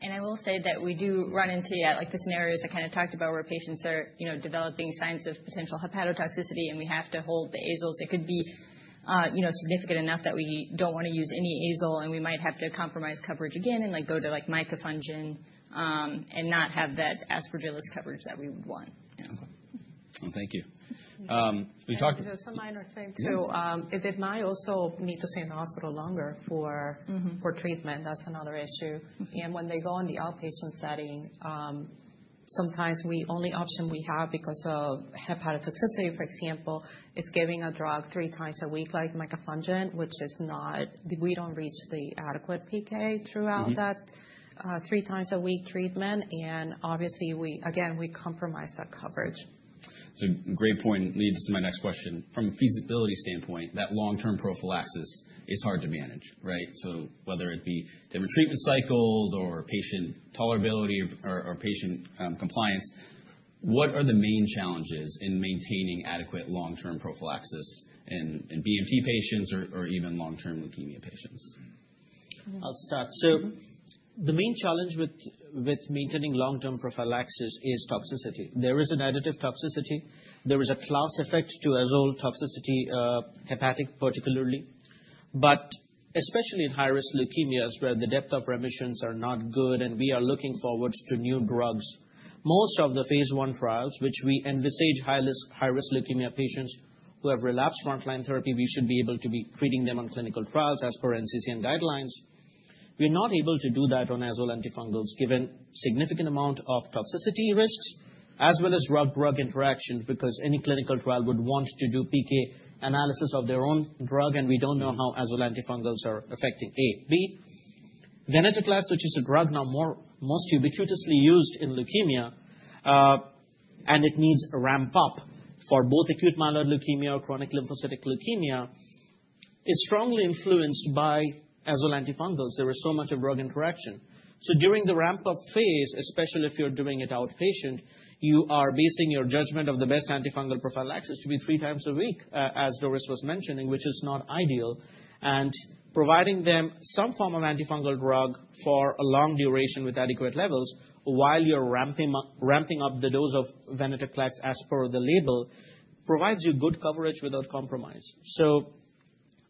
I will say that we do run into the scenarios I kind of talked about where patients are developing signs of potential hepatotoxicity. We have to hold the azoles. It could be significant enough that we don't want to use any azole. We might have to compromise coverage again and go to micafungin and not have that Aspergillus coverage that we would want. Okay. Thank you. We talked. A minor thing too. They might also need to stay in the hospital longer for treatment. That's another issue. When they go in the outpatient setting, sometimes the only option we have because of hepatotoxicity, for example, is giving a drug three times a week like Micafungin, which we don't reach the adequate PK throughout that three times-a-week treatment. Obviously, again, we compromise that coverage. It's a great point. Leads to my next question. From a feasibility standpoint, that long-term prophylaxis is hard to manage, right? So whether it be different treatment cycles or patient tolerability or patient compliance, what are the main challenges in maintaining adequate long-term prophylaxis in BMT patients or even long-term leukemia patients? I'll start. So the main challenge with maintaining long-term prophylaxis is toxicity. There is an additive toxicity. There is a class effect to azole toxicity, hepatic particularly. But especially in high-risk leukemias where the depth of remissions are not good and we are looking forward to new drugs, most of the phase 1 trials, which we envisage high-risk leukemia patients who have relapsed frontline therapy, we should be able to be treating them on clinical trials as per NCCN guidelines. We're not able to do that on azole antifungals given significant amount of toxicity risks as well as drug-drug interactions because any clinical trial would want to do PK analysis of their own drug. And we don't know how azole antifungals are affecting A. B, Venetoclax, which is a drug now most ubiquitously used in leukemia, and it needs a ramp-up for both Acute Myeloid Leukemia or Chronic Lymphocytic Leukemia, is strongly influenced by azole antifungals. There is so much of drug interaction. So during the ramp-up phase, especially if you're doing it outpatient, you are basing your judgment of the best antifungal prophylaxis to be three times a week, as Doris was mentioning, which is not ideal. And providing them some form of antifungal drug for a long duration with adequate levels while you're ramping up the dose of Venetoclax as per the label provides you good coverage without compromise.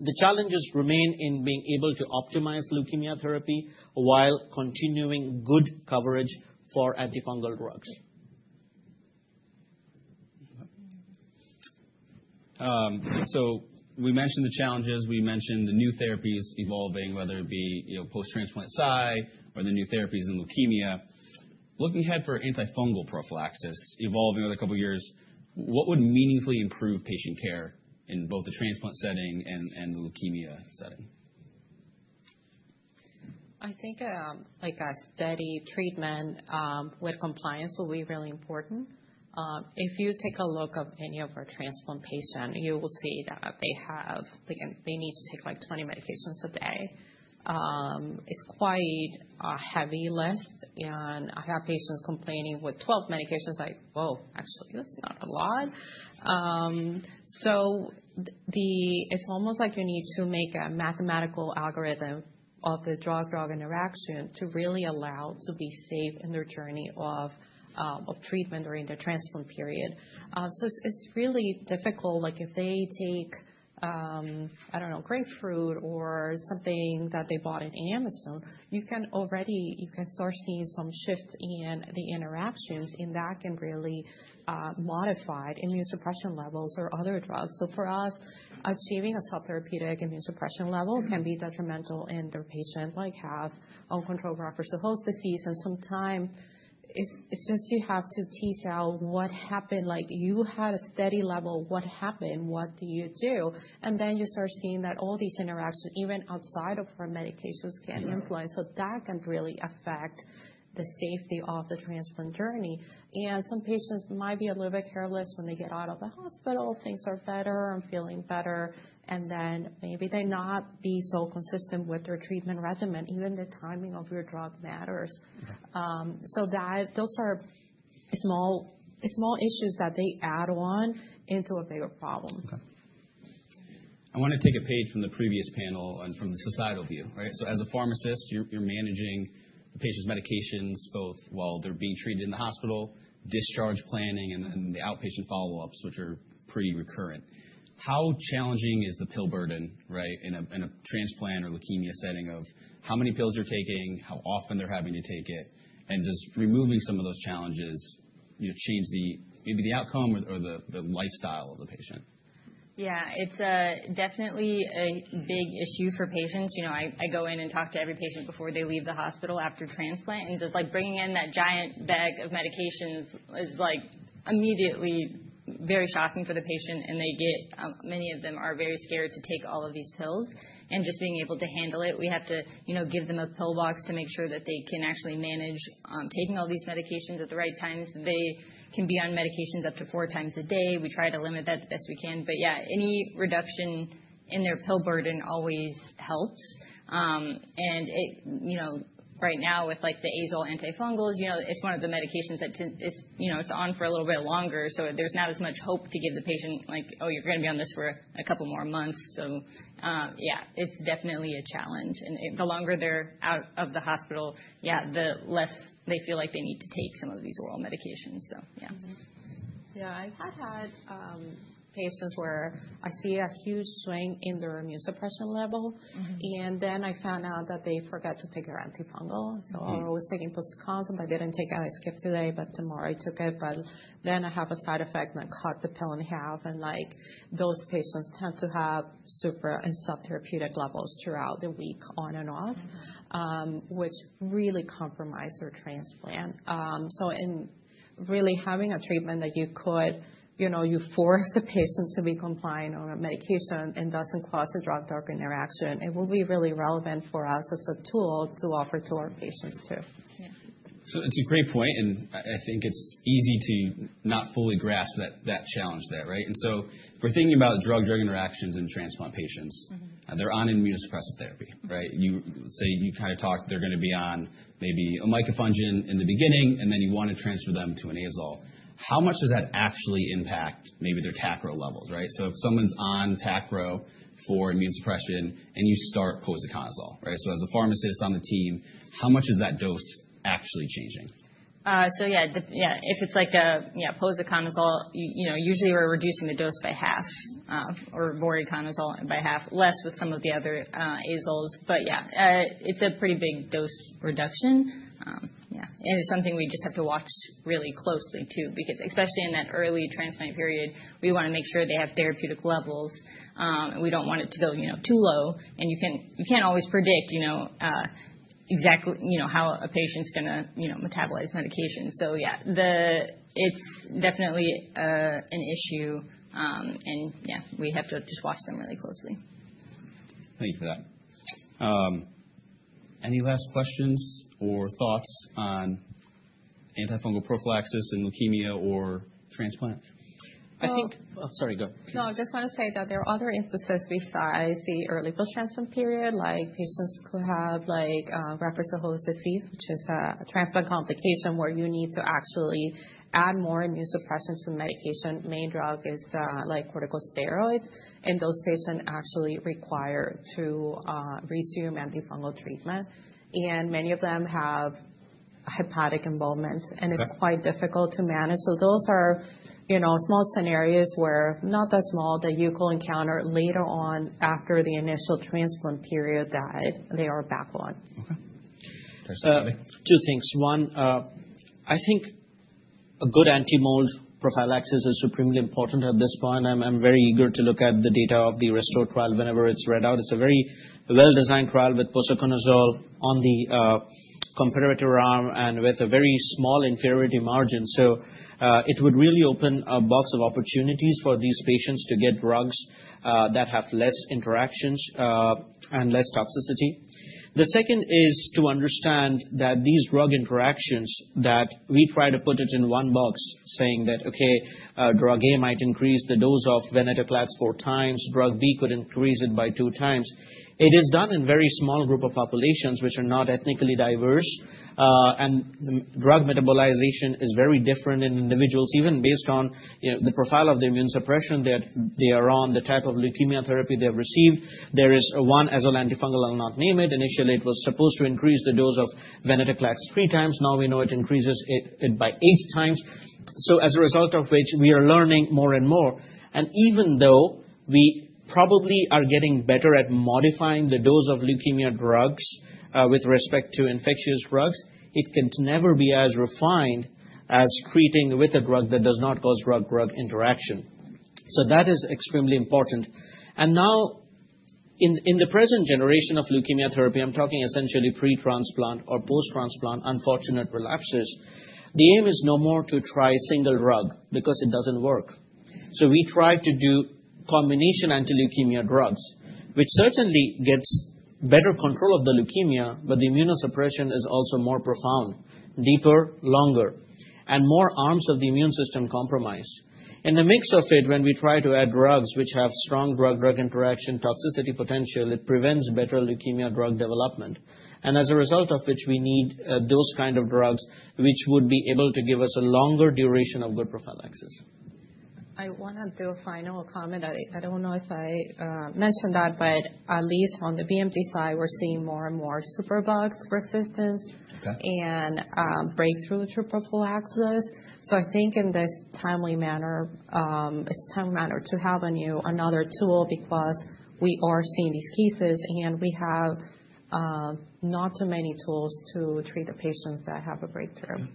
So the challenges remain in being able to optimize leukemia therapy while continuing good coverage for antifungal drugs. So we mentioned the challenges. We mentioned the new therapies evolving, whether it be post-transplant PSI or the new therapies in leukemia. Looking ahead for antifungal prophylaxis evolving over the couple of years, what would meaningfully improve patient care in both the transplant setting and the leukemia setting? I think a steady treatment with compliance will be really important. If you take a look at any of our transplant patients, you will see that they need to take like 20 medications a day. It's quite a heavy list. I have patients complaining with 12 medications like, "Whoa, actually, that's not a lot." It's almost like you need to make a mathematical algorithm of the drug-drug interaction to really allow to be safe in their journey of treatment during the transplant period. It's really difficult. If they take, I don't know, grapefruit or something that they bought at Amazon, you can already start seeing some shift in the interactions. That can really modify immunosuppression levels or other drugs. For us, achieving a subtherapeutic immunosuppression level can be detrimental in their patients, like have uncontrolled graft-versus-host disease. Sometimes it's just you have to tease out what happened. You had a steady level. What happened? What do you do? And then you start seeing that all these interactions, even outside of our medications, can influence. So that can really affect the safety of the transplant journey. And some patients might be a little bit careless when they get out of the hospital. Things are better. I'm feeling better. And then maybe they're not being so consistent with their treatment regimen. Even the timing of your drug matters. So those are small issues that they add on into a bigger problem. Okay. I want to take a page from the previous panel and from the societal view, right? So as a pharmacist, you're managing the patient's medications both while they're being treated in the hospital, discharge planning, and then the outpatient follow-ups, which are pretty recurrent. How challenging is the pill burden, right, in a transplant or leukemia setting of how many pills they're taking, how often they're having to take it? And does removing some of those challenges change maybe the outcome or the lifestyle of the patient? Yeah. It's definitely a big issue for patients. I go in and talk to every patient before they leave the hospital after transplant. And just bringing in that giant bag of medications is immediately very shocking for the patient. And many of them are very scared to take all of these pills. And just being able to handle it, we have to give them a pill box to make sure that they can actually manage taking all these medications at the right times. They can be on medications up to four times a day. We try to limit that the best we can. But yeah, any reduction in their pill burden always helps. And right now, with the azole antifungals, it's one of the medications that it's on for a little bit longer. There's not as much hope to give the patient like, "Oh, you're going to be on this for a couple more months." Yeah, it's definitely a challenge. The longer they're out of the hospital, yeah, the less they feel like they need to take some of these oral medications. Yeah. Yeah. I had had patients where I see a huge swing in their immunosuppression level. And then I found out that they forgot to take their antifungal. So I was taking posaconazole. I didn't take it. I skipped today. But tomorrow, I took it. But then I have a side effect that cut the pill in half. And those patients tend to have supra- and subtherapeutic levels throughout the week on and off, which really compromise their transplant. So, really having a treatment that you could force the patient to be compliant on a medication and doesn't cause a drug-drug interaction, it will be really relevant for us as a tool to offer to our patients too. Yeah. So it's a great point. And I think it's easy to not fully grasp that challenge there, right? And so if we're thinking about drug-drug interactions in transplant patients, they're on immunosuppressive therapy, right? Say you kind of talked they're going to be on maybe a micafungin in the beginning. And then you want to transfer them to an azole. How much does that actually impact maybe their Tacro levels, right? So if someone's on Tacro for immunosuppression and you start posaconazole, right? So as a pharmacist on the team, how much is that dose actually changing? So yeah. Yeah. If it's like a posaconazole, usually we're reducing the dose by half or voriconazole by half, less with some of the other azoles. But yeah, it's a pretty big dose reduction. Yeah. And it's something we just have to watch really closely too because especially in that early transplant period, we want to make sure they have therapeutic levels. And we don't want it to go too low. And you can't always predict exactly how a patient's going to metabolize medication. So yeah, it's definitely an issue. And yeah, we have to just watch them really closely. Thank you for that. Any last questions or thoughts on antifungal prophylaxis in leukemia or transplant? I think, oh, sorry. Go. No, I just want to say that there are other emphases besides the early post-transplant period, like patients who have Graft-versus-Host Disease, which is a transplant complication where you need to actually add more immunosuppression to a medication. Main drug is corticosteroids. Those patients actually require to resume antifungal treatment. Many of them have hepatic involvement. It's quite difficult to manage. So those are small scenarios where not that small that you could encounter later on after the initial transplant period that they are back on. Okay. Dr. Senapati? Two things. One, I think a good antimold prophylaxis is supremely important at this point. I'm very eager to look at the data of the ReSTORE trial whenever it's read out. It's a very well-designed trial with Posaconazole on the comparative arm and with a very small inferiority margin. So it would really open a box of opportunities for these patients to get drugs that have less interactions and less toxicity. The second is to understand that these drug interactions that we try to put it in one box saying that, "Okay, drug A might increase the dose of Venetoclax four times. Drug B could increase it by two times." It is done in a very small group of populations which are not ethnically diverse. And the drug metabolization is very different in individuals. Even based on the profile of the immunosuppression that they are on, the type of leukemia therapy they've received, there is one azole antifungal I'll not name it. Initially, it was supposed to increase the dose of Venetoclax three times. Now, we know it increases it by eight times. So as a result of which, we are learning more and more. And even though we probably are getting better at modifying the dose of leukemia drugs with respect to infectious drugs, it can never be as refined as treating with a drug that does not cause drug-drug interaction. So that is extremely important. And now, in the present generation of leukemia therapy, I'm talking essentially pre-transplant or post-transplant unfortunate relapses, the aim is no more to try a single drug because it doesn't work. So we try to do combination anti-leukemia drugs, which certainly gets better control of the leukemia. But the immunosuppression is also more profound, deeper, longer, and more arms of the immune system compromised. In the mix of it, when we try to add drugs which have strong drug-drug interaction toxicity potential, it prevents better leukemia drug development. And as a result of which, we need those kinds of drugs which would be able to give us a longer duration of good prophylaxis. I want to do a final comment. I don't know if I mentioned that. But at least on the BMT side, we're seeing more and more superbugs resistance and breakthrough to prophylaxis. So I think in this timely manner, it's a timely manner to have another tool because we are seeing these cases. And we have not too many tools to treat the patients that have a breakthrough.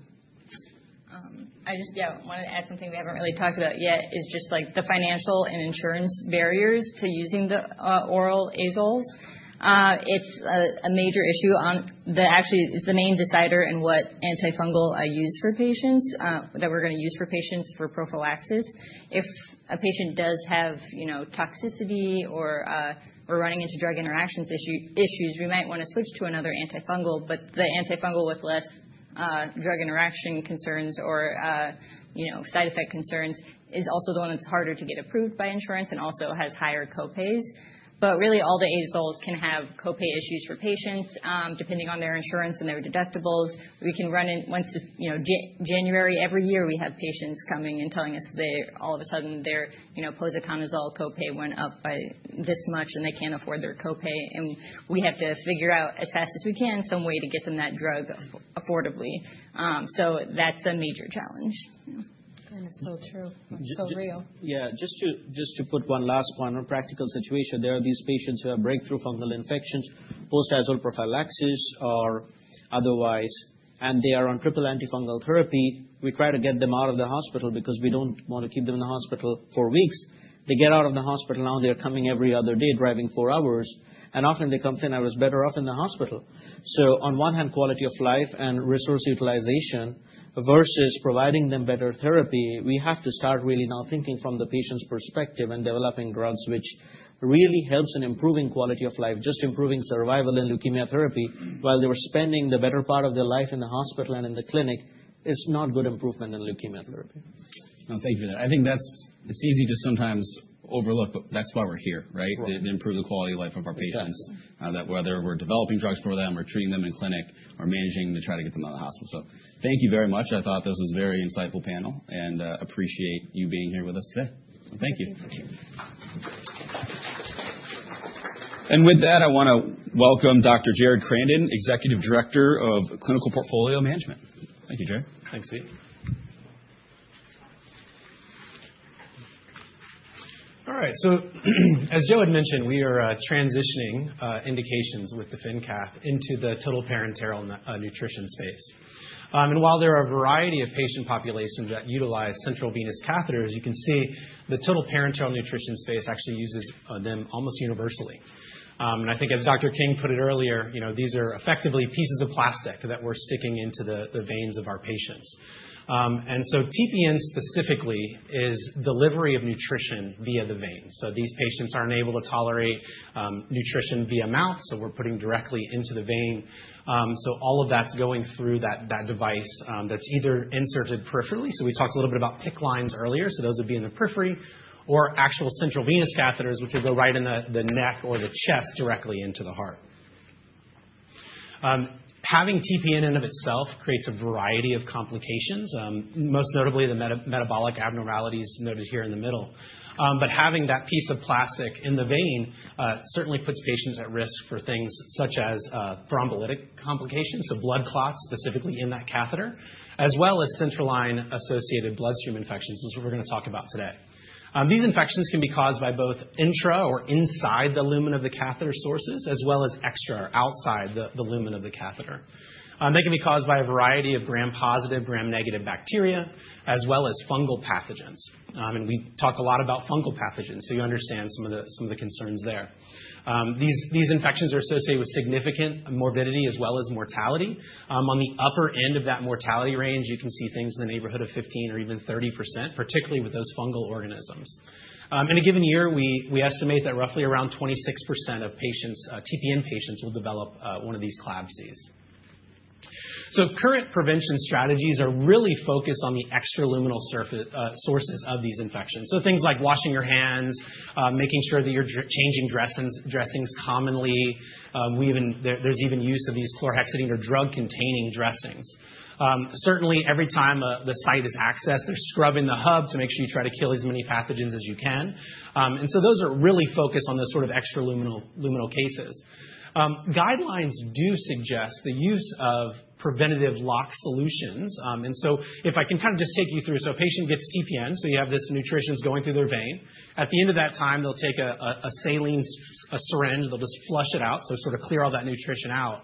I just, yeah, want to add something we haven't really talked about yet is just the financial and insurance barriers to using the oral azoles. It's a major issue. Actually, it's the main decider in what antifungal I use for patients that we're going to use for patients for prophylaxis. If a patient does have toxicity or we're running into drug interactions issues, we might want to switch to another antifungal. But the antifungal with less drug interaction concerns or side effect concerns is also the one that's harder to get approved by insurance and also has higher copays. But really, all the azoles can have copay issues for patients depending on their insurance and their deductibles. Once it's January, every year, we have patients coming and telling us all of a sudden, their Posaconazole copay went up by this much. And they can't afford their copay. We have to figure out as fast as we can some way to get them that drug affordably. So that's a major challenge. It's so true. It's so real. Yeah. Just to put one last one on a practical situation, there are these patients who have breakthrough fungal infections, post-azole prophylaxis, or otherwise, and they are on triple antifungal therapy. We try to get them out of the hospital because we don't want to keep them in the hospital for weeks. They get out of the hospital. Now, they're coming every other day driving four hours. And often, they complain, "I was better off in the hospital." So on one hand, quality of life and resource utilization versus providing them better therapy, we have to start really now thinking from the patient's perspective and developing drugs which really help in improving quality of life, just improving survival in leukemia therapy while they were spending the better part of their life in the hospital and in the clinic. It's not good improvement in leukemia therapy. No, thank you for that. I think it's easy to sometimes overlook. But that's why we're here, right, to improve the quality of life of our patients, whether we're developing drugs for them or treating them in clinic or managing to try to get them out of the hospital. So thank you very much. I thought this was a very insightful panel. And I appreciate you being here with us today. So thank you. Thank you. With that, I want to welcome Dr. Jared Crandon, Executive Director of Clinical Portfolio Management. Thank you, Jared. Thanks, Pete. All right. So as Joe had mentioned, we are transitioning indications with the DefenCath into the total parenteral nutrition space. And while there are a variety of patient populations that utilize central venous catheters, you can see the total parenteral nutrition space actually uses them almost universally. And I think as Dr. King put it earlier, these are effectively pieces of plastic that we're sticking into the veins of our patients. And so TPN specifically is delivery of nutrition via the vein. So these patients aren't able to tolerate nutrition via mouth. So we're putting directly into the vein. So all of that's going through that device that's either inserted peripherally. So we talked a little bit about PICC lines earlier. So those would be in the periphery or actual central venous catheters which would go right in the neck or the chest directly into the heart. Having TPN in and of itself creates a variety of complications, most notably the metabolic abnormalities noted here in the middle. But having that piece of plastic in the vein certainly puts patients at risk for things such as thrombolytic complications, so blood clots specifically in that catheter, as well as central line-associated bloodstream infections. That's what we're going to talk about today. These infections can be caused by both intra or inside the lumen of the catheter sources as well as extra or outside the lumen of the catheter. They can be caused by a variety of Gram-positive, Gram-negative bacteria as well as fungal pathogens. And we talked a lot about fungal pathogens. So you understand some of the concerns there. These infections are associated with significant morbidity as well as mortality. On the upper end of that mortality range, you can see things in the neighborhood of 15% or even 30%, particularly with those fungal organisms. In a given year, we estimate that roughly around 26% of TPN patients will develop one of these CLABSIs. So current prevention strategies are really focused on the extraluminal sources of these infections, so things like washing your hands, making sure that you're changing dressings commonly. There's even use of these chlorhexidine or drug-containing dressings. Certainly, every time the site is accessed, they're scrubbing the hub to make sure you try to kill as many pathogens as you can. And so those are really focused on those sort of extraluminal cases. Guidelines do suggest the use of preventative lock solutions. And so if I can kind of just take you through so a patient gets TPN. So you have this nutrition going through their vein. At the end of that time, they'll take a saline syringe. They'll just flush it out so it sort of clears all that nutrition out.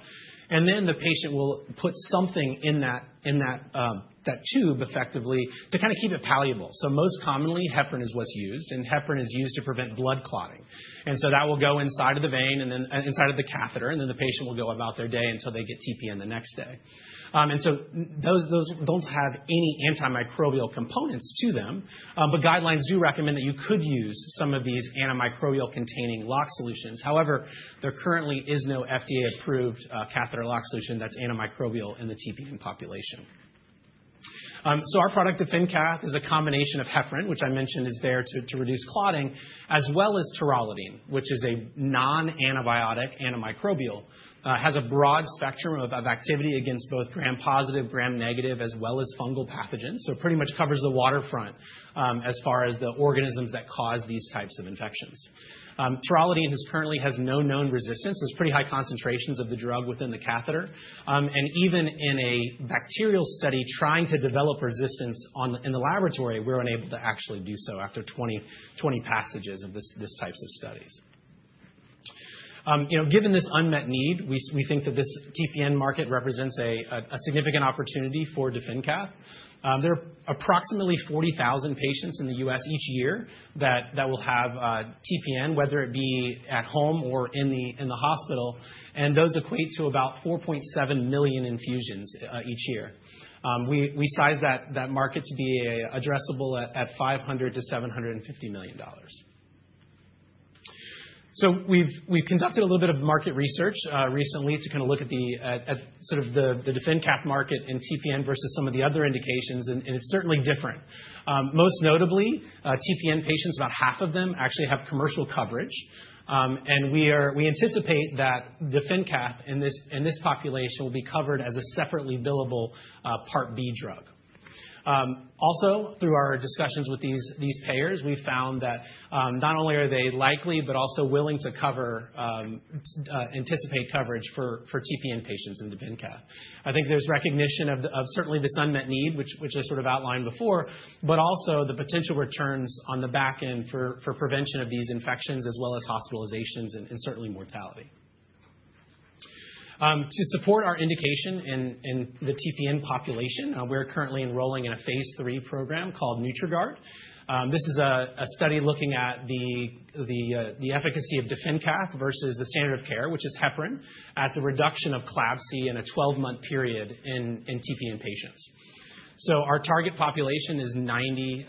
And then the patient will put something in that tube effectively to kind of keep it patent. So most commonly, Heparin is what's used. And Heparin is used to prevent blood clotting. And so that will go inside of the vein and then inside of the catheter. And then the patient will go about their day until they get TPN the next day. And so those don't have any antimicrobial components to them. But guidelines do recommend that you could use some of these antimicrobial-containing lock solutions. However, there currently is no FDA-approved catheter lock solution that's antimicrobial in the TPN population. So our product DefenCath is a combination of heparin, which I mentioned is there to reduce clotting, as well as taurolidine, which is a non-antibiotic, antimicrobial, has a broad spectrum of activity against both gram-positive, gram-negative, as well as fungal pathogens. So it pretty much covers the waterfront as far as the organisms that cause these types of infections. Taurolidine currently has no known resistance. There's pretty high concentrations of the drug within the catheter. And even in a bacterial study trying to develop resistance in the laboratory, we're unable to actually do so after 20 passages of these types of studies. Given this unmet need, we think that this TPN market represents a significant opportunity for the DefenCath. There are approximately 40,000 patients in the U.S. each year that will have TPN, whether it be at home or in the hospital. Those equate to about 4.7 million infusions each year. We size that market to be addressable at $500 million-$750 million. We've conducted a little bit of market research recently to kind of look at sort of the DefenCath market and TPN versus some of the other indications. It's certainly different. Most notably, TPN patients, about half of them, actually have commercial coverage. We anticipate that the DefenCath in this population will be covered as a separately billable Part B drug. Also, through our discussions with these payers, we found that not only are they likely but also willing to anticipate coverage for TPN patients in the DefenCath. I think there's recognition of certainly this unmet need, which I sort of outlined before, but also the potential returns on the back end for prevention of these infections as well as hospitalizations and certainly mortality. To support our indication in the TPN population, we're currently enrolling in a phase III program called Nutriguard. This is a study looking at the efficacy of the DefendCath versus the standard of care, which is heparin, at the reduction of CLABSI in a 12-month period in TPN patients. So our target population is 90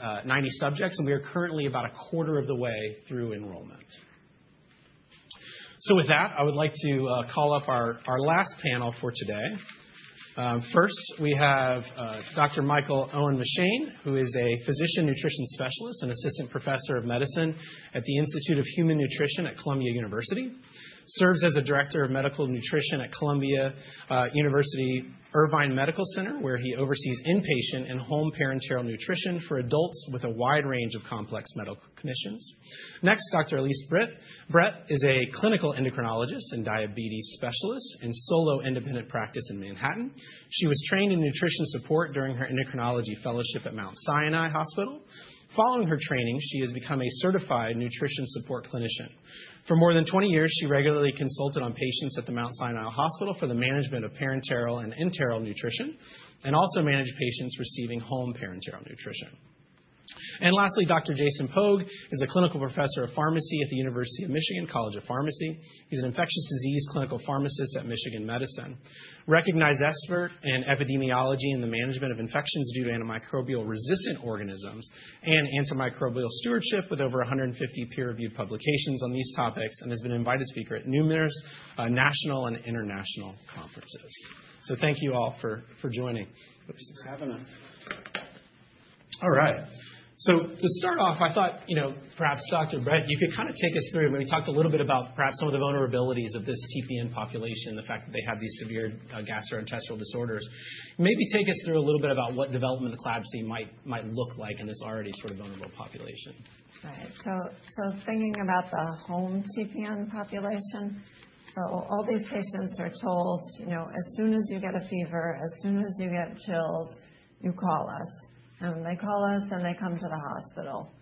subjects. And we are currently about a quarter of the way through enrollment. So with that, I would like to call up our last panel for today. First, we have Dr. Michael Owen-Michaane, who is a physician nutrition specialist and assistant professor of medicine at the Institute of Human Nutrition at Columbia University, serves as a director of medical nutrition at Columbia University Irving Medical Center, where he oversees inpatient and home parenteral nutrition for adults with a wide range of complex medical conditions. Next, Dr. Elise Brett is a clinical endocrinologist and diabetes specialist in solo independent practice in Manhattan. She was trained in nutrition support during her endocrinology fellowship at Mount Sinai Hospital. Following her training, she has become a certified nutrition support clinician. For more than 20 years, she regularly consulted on patients at the Mount Sinai Hospital for the management of parenteral and enteral nutrition and also managed patients receiving home parenteral nutrition. And lastly, Dr. Jason Pogue is a clinical professor of pharmacy at the University of Michigan College of Pharmacy. He's an infectious disease clinical pharmacist at Michigan Medicine, recognized expert in epidemiology and the management of infections due to antimicrobial-resistant organisms and antimicrobial stewardship with over 150 peer-reviewed publications on these topics, and has been invited speaker at numerous national and international conferences. So thank you all for joining. Thanks for having us. All right. So to start off, I thought perhaps, Dr. Britt, you could kind of take us through maybe talked a little bit about perhaps some of the vulnerabilities of this TPN population, the fact that they have these severe gastrointestinal disorders. Maybe take us through a little bit about what development of CLABSI might look like in this already sort of vulnerable population. Right. So thinking about the home TPN population, so all these patients are told, "As soon as you get a fever, as soon as you get chills, you call us." And they call us. And they come to the hospital.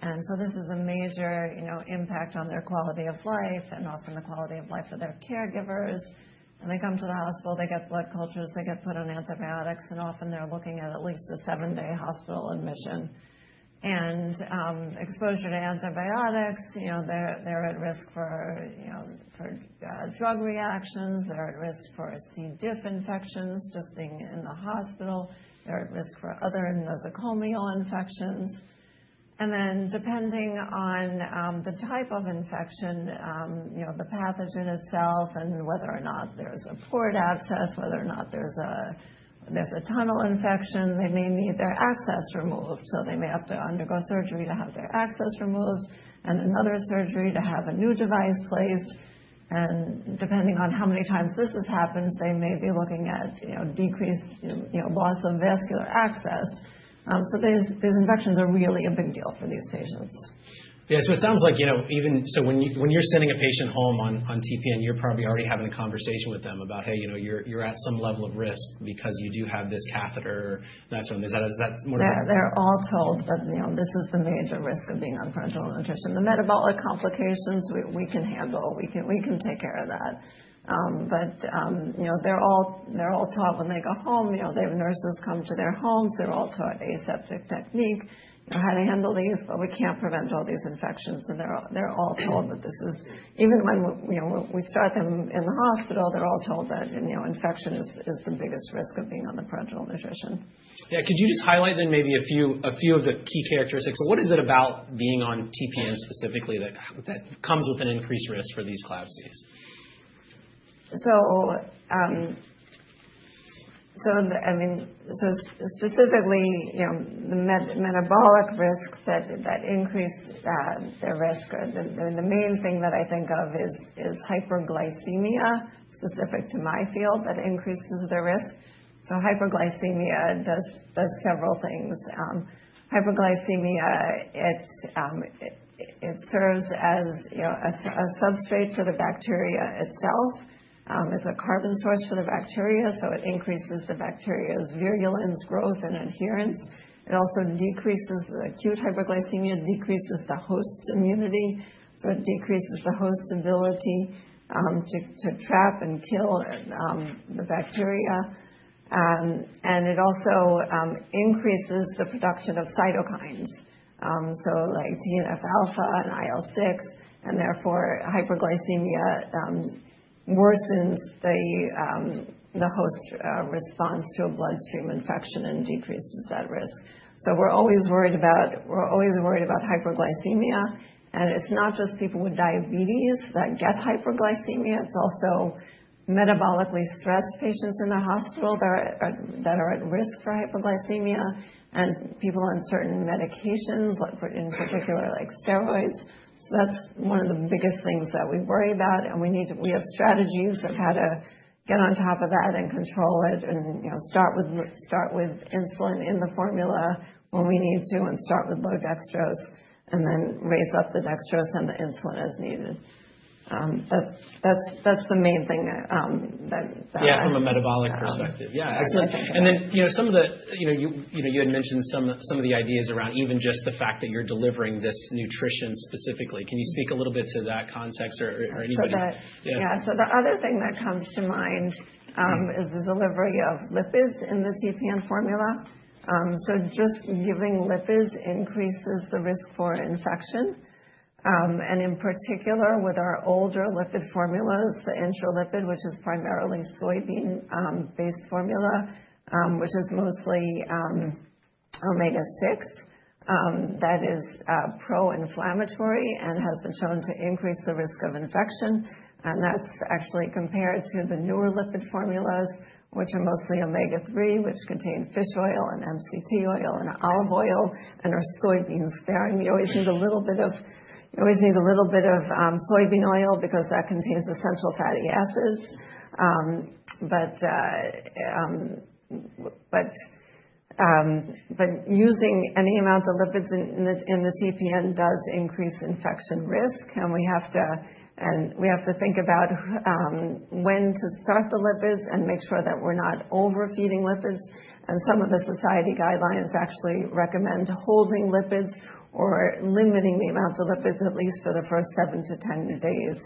And so this is a major impact on their quality of life and often the quality of life of their caregivers. And they come to the hospital. They get blood cultures. They get put on antibiotics. And often, they're looking at at least a 7-day hospital admission. And exposure to antibiotics, they're at risk for drug reactions. They're at risk for C. diff infections just being in the hospital. They're at risk for other nosocomial infections. And then depending on the type of infection, the pathogen itself and whether or not there's a port abscess, whether or not there's a tunnel infection, they may need their access removed. They may have to undergo surgery to have their access removed and another surgery to have a new device placed. Depending on how many times this has happened, they may be looking at decreased loss of vascular access. These infections are really a big deal for these patients. Yeah. So it sounds like even so when you're sending a patient home on TPN, you're probably already having a conversation with them about, "Hey, you're at some level of risk because you do have this catheter or that's on." Is that more or less? Yeah. They're all told that this is the major risk of being on parenteral nutrition. The metabolic complications, we can handle. We can take care of that. But they're all taught when they go home, they have nurses come to their homes. They're all taught aseptic technique, how to handle these. But we can't prevent all these infections. And they're all told that this is even when we start them in the hospital, they're all told that infection is the biggest risk of being on the parenteral nutrition. Yeah. Could you just highlight then maybe a few of the key characteristics? So what is it about being on TPN specifically that comes with an increased risk for these CLABSIs? So, I mean, so specifically, the metabolic risks that increase their risk, the main thing that I think of is hyperglycemia specific to my field that increases their risk. So, hyperglycemia does several things. Hyperglycemia, it serves as a substrate for the bacteria itself. It's a carbon source for the bacteria. So, it increases the bacteria's virulence, growth, and adherence. It also decreases the acute hyperglycemia, decreases the host's immunity. So, it decreases the host's ability to trap and kill the bacteria. And it also increases the production of cytokines, so like TNF alpha and IL-6. And therefore, hyperglycemia worsens the host response to a bloodstream infection and decreases that risk. So, we're always worried about we're always worried about hyperglycemia. And it's not just people with diabetes that get hyperglycemia. It's also metabolically stressed patients in the hospital that are at risk for hyperglycemia and people on certain medications, in particular like steroids. So that's one of the biggest things that we worry about. And we have strategies of how to get on top of that and control it and start with insulin in the formula when we need to and start with low dextrose and then raise up the dextrose and the insulin as needed. That's the main thing that. Yeah. From a metabolic perspective. Yeah. And then you had mentioned some of the ideas around even just the fact that you're delivering this nutrition specifically. Can you speak a little bit to that context or anybody? So the other thing that comes to mind is the delivery of lipids in the TPN formula. So just giving lipids increases the risk for infection. And in particular, with our older lipid formulas, the Intralipid, which is primarily soybean-based formula, which is mostly omega-6, that is pro-inflammatory and has been shown to increase the risk of infection. And that's actually compared to the newer lipid formulas, which are mostly omega-3, which contain fish oil and MCT oil and olive oil and are soybean-sparing. You always need a little bit of soybean oil because that contains essential fatty acids. But using any amount of lipids in the TPN does increase infection risk. And we have to think about when to start the lipids and make sure that we're not overfeeding lipids. Some of the society guidelines actually recommend holding lipids or limiting the amount of lipids, at least for the first 7-10 days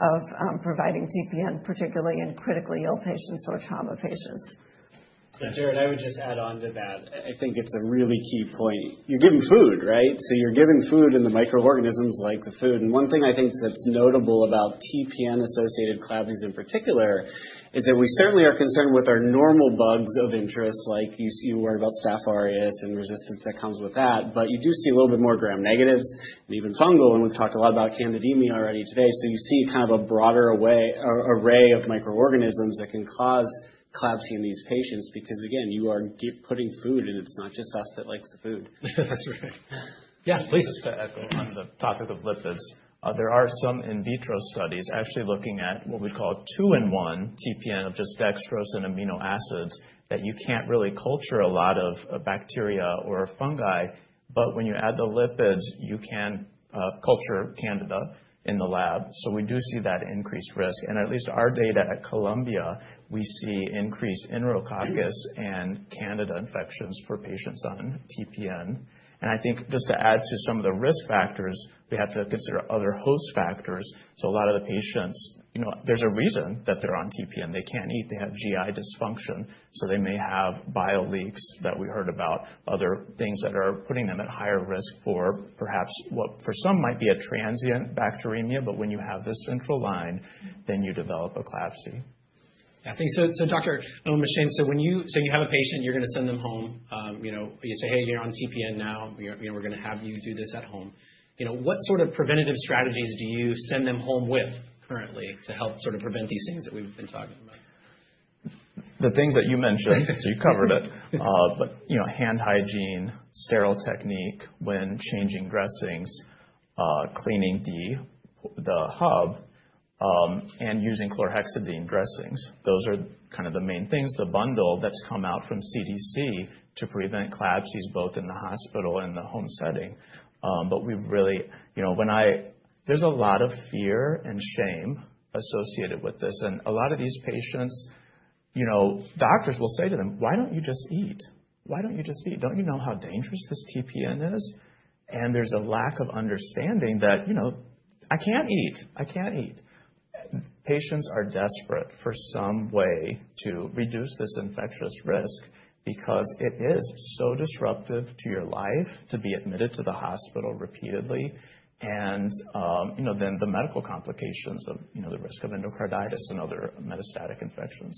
of providing TPN, particularly in critically ill patients or trauma patients. Yeah. Jared, I would just add on to that. I think it's a really key point. You're giving food, right? So you're giving food and the microorganisms like the food. And one thing I think that's notable about TPN-associated CLABSIs in particular is that we certainly are concerned with our normal bugs of interest. You worry about S. aureus and resistance that comes with that. But you do see a little bit more gram-negatives and even fungal. And we've talked a lot about candidemia already today. So you see kind of a broader array of microorganisms that can cause CLABSI in these patients because, again, you are putting food. And it's not just us that likes the food. That's right. Yeah. Please. Just to echo on the topic of lipids, there are some in vitro studies actually looking at what we'd call a two-in-one TPN of just dextrose and amino acids that you can't really culture a lot of bacteria or fungi. But when you add the lipids, you can culture Candida in the lab. So we do see that increased risk. And at least our data at Columbia, we see increased Enterococcus and Candida infections for patients on TPN. And I think just to add to some of the risk factors, we have to consider other host factors. So a lot of the patients, there's a reason that they're on TPN. They can't eat. They have GI dysfunction. So they may have bile leaks that we heard about, other things that are putting them at higher risk for perhaps what for some might be a transient bacteremia. But when you have this central line, then you develop a CLABSI. Yeah. So Dr. Owen-Michaane, so when you so you have a patient, you're going to send them home. You say, "Hey, you're on TPN now. We're going to have you do this at home." What sort of preventive strategies do you send them home with currently to help sort of prevent these things that we've been talking about? The things that you mentioned, so you covered it, but hand hygiene, sterile technique when changing dressings, cleaning the hub, and using chlorhexidine dressings. Those are kind of the main things, the bundle that's come out from CDC to prevent CLABSIs both in the hospital and the home setting. But we've really when I there's a lot of fear and shame associated with this. And a lot of these patients, doctors will say to them, "Why don't you just eat? Why don't you just eat? Don't you know how dangerous this TPN is?" And there's a lack of understanding that, "I can't eat. I can't eat." Patients are desperate for some way to reduce this infectious risk because it is so disruptive to your life to be admitted to the hospital repeatedly and then the medical complications of the risk of endocarditis and other metastatic infections.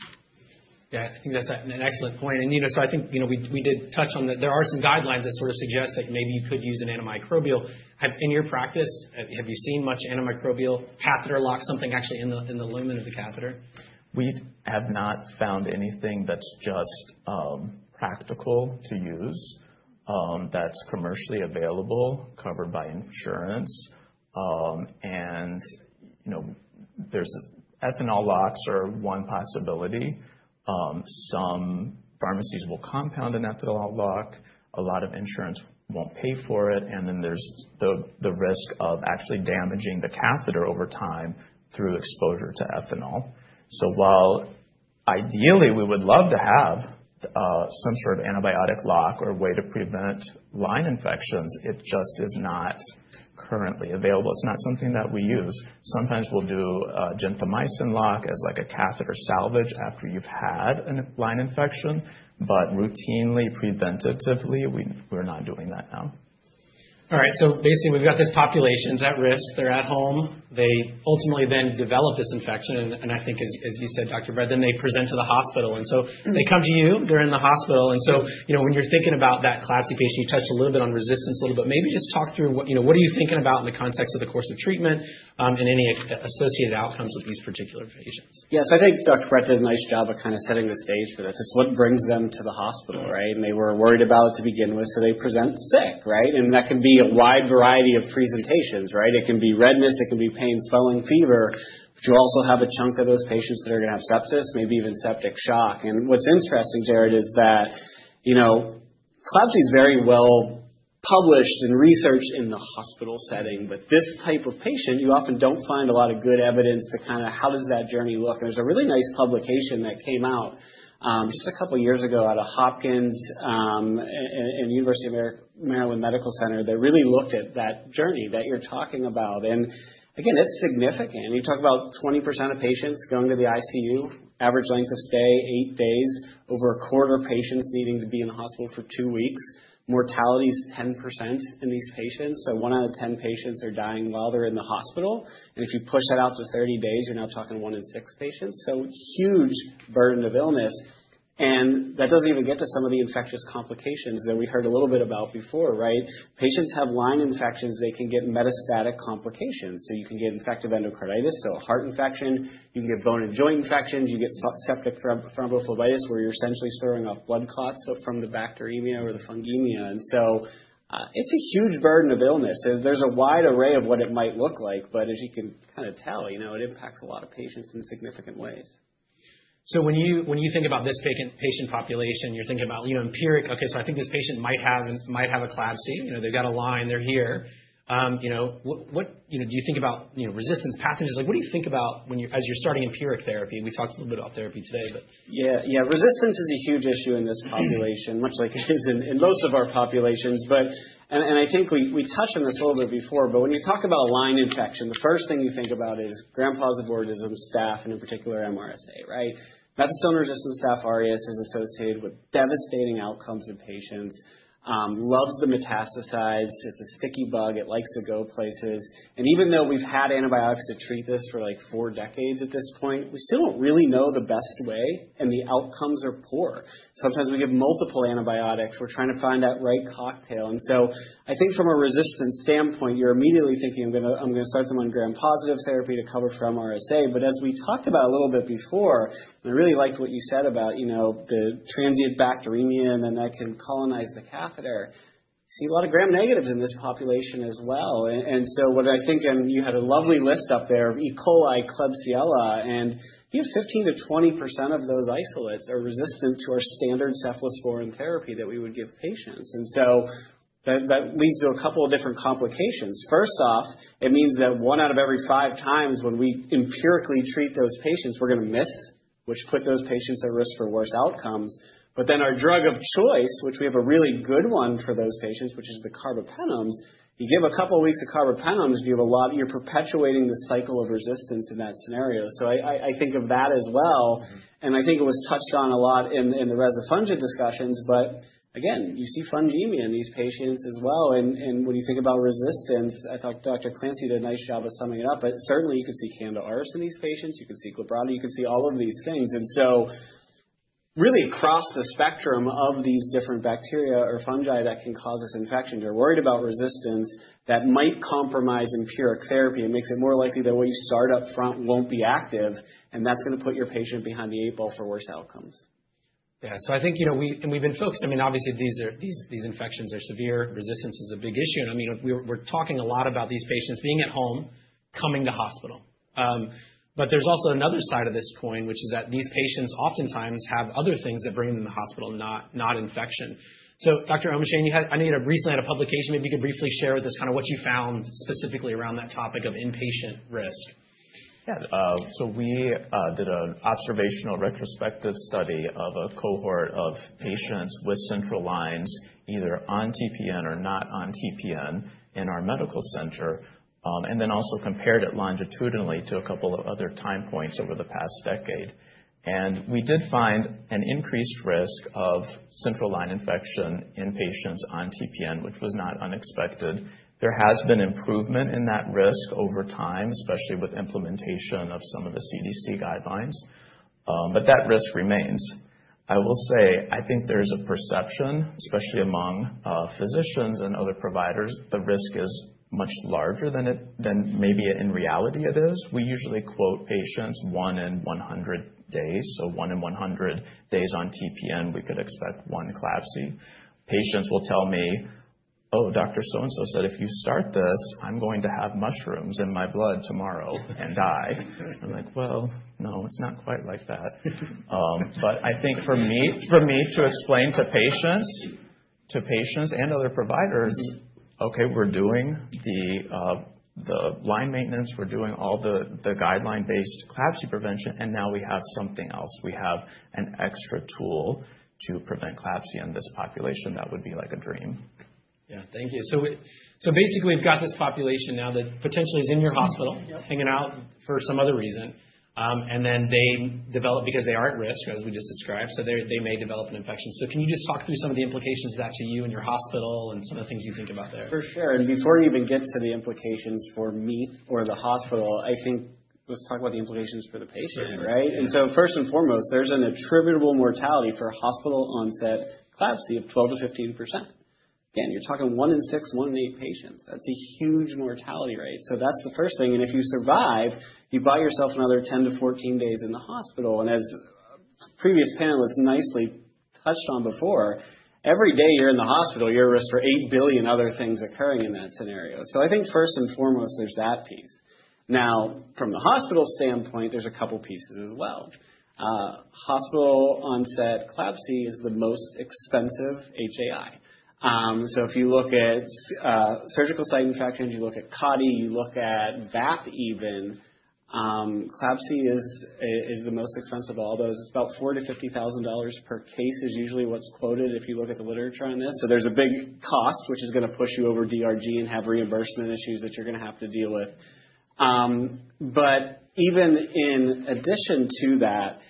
Yeah. I think that's an excellent point. And so I think we did touch on that. There are some guidelines that sort of suggest that maybe you could use an antimicrobial. In your practice, have you seen much antimicrobial catheter lock something actually in the lumen of the catheter? We have not found anything that's just practical to use, that's commercially available, covered by insurance. And ethanol locks are one possibility. Some pharmacies will compound an ethanol lock. A lot of insurance won't pay for it. And then there's the risk of actually damaging the catheter over time through exposure to ethanol. So while ideally, we would love to have some sort of antibiotic lock or way to prevent line infections, it just is not currently available. It's not something that we use. Sometimes, we'll do a gentamicin lock as like a catheter salvage after you've had a line infection. But routinely, preventatively, we're not doing that now. All right. So basically, we've got these populations at risk. They're at home. They ultimately then develop this infection. And I think, as you said, Dr. Britt, then they present to the hospital. And so they come to you. They're in the hospital. And so when you're thinking about that CLABSI patient, you touched a little bit on resistance a little bit. Maybe just talk through what are you thinking about in the context of the course of treatment and any associated outcomes with these particular patients? Yeah. So I think Dr. Britt did a nice job of kind of setting the stage for this. It's what brings them to the hospital, right? And they were worried about it to begin with. So they present sick, right? And that can be a wide variety of presentations, right? It can be redness. It can be pain, swelling, fever. But you also have a chunk of those patients that are going to have sepsis, maybe even septic shock. And what's interesting, Jared, is that CLABSI is very well published and researched in the hospital setting. But this type of patient, you often don't find a lot of good evidence to kind of how does that journey look? There's a really nice publication that came out just a couple of years ago out of Hopkins and University of Maryland Medical Center that really looked at that journey that you're talking about. And again, it's significant. You talk about 20% of patients going to the ICU, average length of stay, 8 days, over a quarter patients needing to be in the hospital for 2 weeks. Mortality is 10% in these patients. So 1 out of 10 patients are dying while they're in the hospital. And if you push that out to 30 days, you're now talking 1 in 6 patients. So huge burden of illness. And that doesn't even get to some of the infectious complications that we heard a little bit about before, right? Patients have line infections. They can get metastatic complications. So you can get infective endocarditis, so a heart infection. You can get bone and joint infections. You get septic thrombophlebitis where you're essentially stirring off blood clots from the bacteremia or the fungemia. And so it's a huge burden of illness. There's a wide array of what it might look like. But as you can kind of tell, it impacts a lot of patients in significant ways. So when you think about this patient population, you're thinking about empiric, "Okay. So I think this patient might have a CLABSI. They've got a line. They're here." What do you think about resistant pathogens? What do you think about as you're starting empiric therapy? We talked a little bit about therapy today, but. Yeah. Yeah. Resistance is a huge issue in this population, much like it is in most of our populations. I think we touched on this a little bit before. When you talk about a line infection, the first thing you think about is gram-positive organisms, staph, and in particular, MRSA, right? Methicillin-resistant Staphylococcus aureus is associated with devastating outcomes in patients, loves to metastasize. It's a sticky bug. It likes to go places. Even though we've had antibiotics to treat this for like 4 decades at this point, we still don't really know the best way. The outcomes are poor. Sometimes, we give multiple antibiotics. We're trying to find that right cocktail. And so I think from a resistance standpoint, you're immediately thinking, "I'm going to start someone gram-positive therapy to cover for MRSA." But as we talked about a little bit before, and I really liked what you said about the transient bacteremia and then that can colonize the catheter, you see a lot of gram-negatives in this population as well. And so what I think and you had a lovely list up there of E. coli Klebsiella. And you have 15%-20% of those isolates are resistant to our standard cephalosporin therapy that we would give patients. And so that leads to a couple of different complications. First off, it means that one out of every 5 times when we empirically treat those patients, we're going to miss, which put those patients at risk for worse outcomes. But then our drug of choice, which we have a really good one for those patients, which is the carbapenems, you give a couple of weeks of carbapenems, you have a lot you're perpetuating the cycle of resistance in that scenario. So I think of that as well. And I think it was touched on a lot in the resistant fungi discussions. But again, you see fungemia in these patients as well. And when you think about resistance, I thought Dr. Clancy did a nice job of summing it up. But certainly, you could see Candida auris in these patients. You could see Klebsiella. You could see all of these things. And so really across the spectrum of these different bacteria or fungi that can cause this infection, you're worried about resistance that might compromise empiric therapy. It makes it more likely that what you start upfront won't be active. That's going to put your patient behind the eight ball for worse outcomes. Yeah. So I think and we've been focused. I mean, obviously, these infections are severe. Resistance is a big issue. And I mean, we're talking a lot about these patients being at home, coming to hospital. But there's also another side of this point, which is that these patients oftentimes have other things that bring them to the hospital, not infection. So Dr. Owen-Michaane, I know you recently had a publication. Maybe you could briefly share with us kind of what you found specifically around that topic of inpatient risk. Yeah. So we did an observational retrospective study of a cohort of patients with central lines either on TPN or not on TPN in our medical center and then also compared it longitudinally to a couple of other time points over the past decade. And we did find an increased risk of central line infection in patients on TPN, which was not unexpected. There has been improvement in that risk over time, especially with implementation of some of the CDC guidelines. But that risk remains. I will say I think there's a perception, especially among physicians and other providers, the risk is much larger than maybe in reality it is. We usually quote patients 1 in 100 days. So 1 in 100 days on TPN, we could expect 1 CLABSI. Patients will tell me, "Oh, Dr. So-and-so said if you start this, I'm going to have mushrooms in my blood tomorrow and die." I'm like, "Well, no. It's not quite like that." But I think for me to explain to patients and other providers, "Okay. We're doing the line maintenance. We're doing all the guideline-based CLABSI prevention. And now we have something else. We have an extra tool to prevent CLABSI in this population." That would be like a dream. Yeah. Thank you. So basically, we've got this population now that potentially is in your hospital hanging out for some other reason. And then they develop because they are at risk, as we just described. So they may develop an infection. So can you just talk through some of the implications of that to you and your hospital and some of the things you think about there? For sure. And before you even get to the implications for me or the hospital, I think let's talk about the implications for the patient, right? And so first and foremost, there's an attributable mortality for hospital-onset CLABSI of 12%-15%. Again, you're talking 1 in 6, 1 in 8 patients. That's a huge mortality rate. So that's the first thing. And if you survive, you buy yourself another 10-14 days in the hospital. And as previous panelists nicely touched on before, every day you're in the hospital, you're at risk for 8 billion other things occurring in that scenario. So I think first and foremost, there's that piece. Now, from the hospital standpoint, there's a couple of pieces as well. Hospital-onset CLABSI is the most expensive HAI. So if you look at surgical site infections, you look at CODI, you look at VAP even, CLABSI is the most expensive of all those. It's about $4,000-$50,000 per case is usually what's quoted if you look at the literature on this. So there's a big cost, which is going to push you over DRG and have reimbursement issues that you're going to have to deal with. But even in addition to that,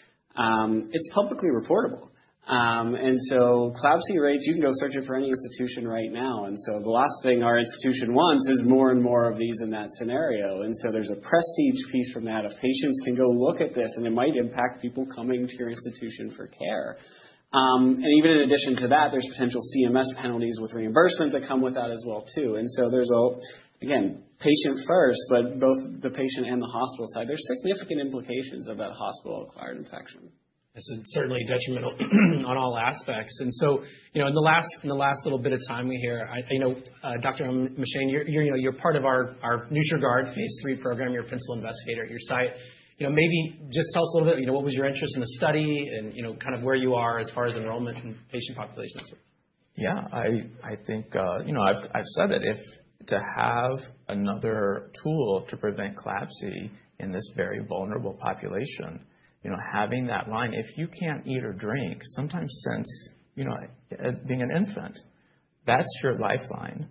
it's publicly reportable. And so CLABSI rates, you can go search it for any institution right now. And so the last thing our institution wants is more and more of these in that scenario. And so there's a prestige piece from that if patients can go look at this. And it might impact people coming to your institution for care. Even in addition to that, there's potential CMS penalties with reimbursement that come with that as well too. So there's a, again, patient first, but both the patient and the hospital side, there's significant implications of that hospital-acquired infection. Yes. Certainly, detrimental on all aspects. So in the last little bit of time we hear, Dr. Owen-Michaane, you're part of our Nutriguard Phase III program. You're a principal investigator at your site. Maybe just tell us a little bit. What was your interest in the study and kind of where you are as far as enrollment and patient population aspect? Yeah. I think I've said that to have another tool to prevent CLABSI in this very vulnerable population, having that line, if you can't eat or drink sometimes since being an infant, that's your lifeline.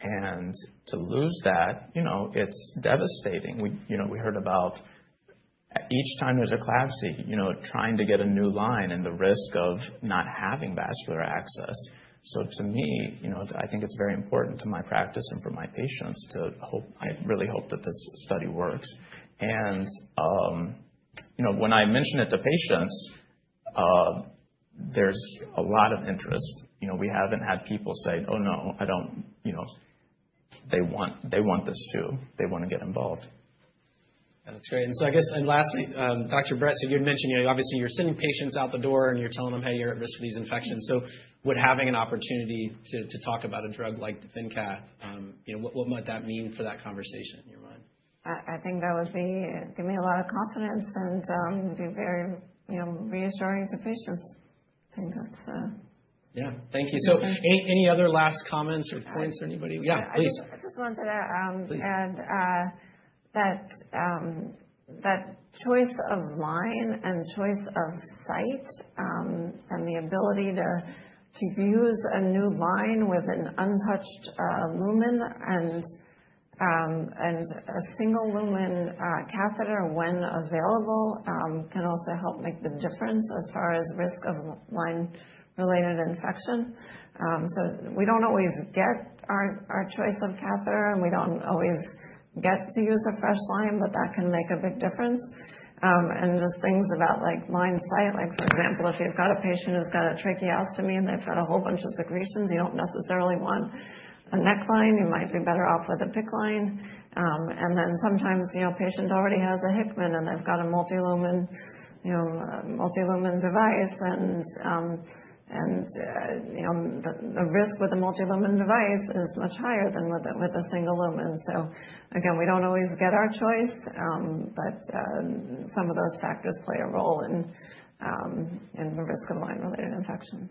And to lose that, it's devastating. We heard about each time there's a CLABSI, trying to get a new line and the risk of not having vascular access. So to me, I think it's very important to my practice and for my patients to hope I really hope that this study works. And when I mention it to patients, there's a lot of interest. We haven't had people say, "Oh, no. I don't" they want this too. They want to get involved. Yeah. That's great. So I guess and lastly, Dr. Britt, so you had mentioned obviously, you're sending patients out the door. And you're telling them, "Hey. You're at risk for these infections." So would having an opportunity to talk about a drug like DefenCath, what might that mean for that conversation in your mind? I think that would give me a lot of confidence and be very reassuring to patients. I think that's. Yeah. Thank you. So any other last comments or points or anybody? Yeah. Please. I just wanted to add that choice of line and choice of site and the ability to use a new line with an untouched lumen and a single lumen catheter when available can also help make the difference as far as risk of line-related infection. We don't always get our choice of catheter. We don't always get to use a fresh line. That can make a big difference. Just things about line site. For example, if you've got a patient who's got a tracheostomy and they've got a whole bunch of secretions, you don't necessarily want a neck line. You might be better off with a PICC line. Then sometimes, a patient already has a Hickman. They've got a multilumen device. The risk with a multilumen device is much higher than with a single lumen. Again, we don't always get our choice. Some of those factors play a role in the risk of line-related infection.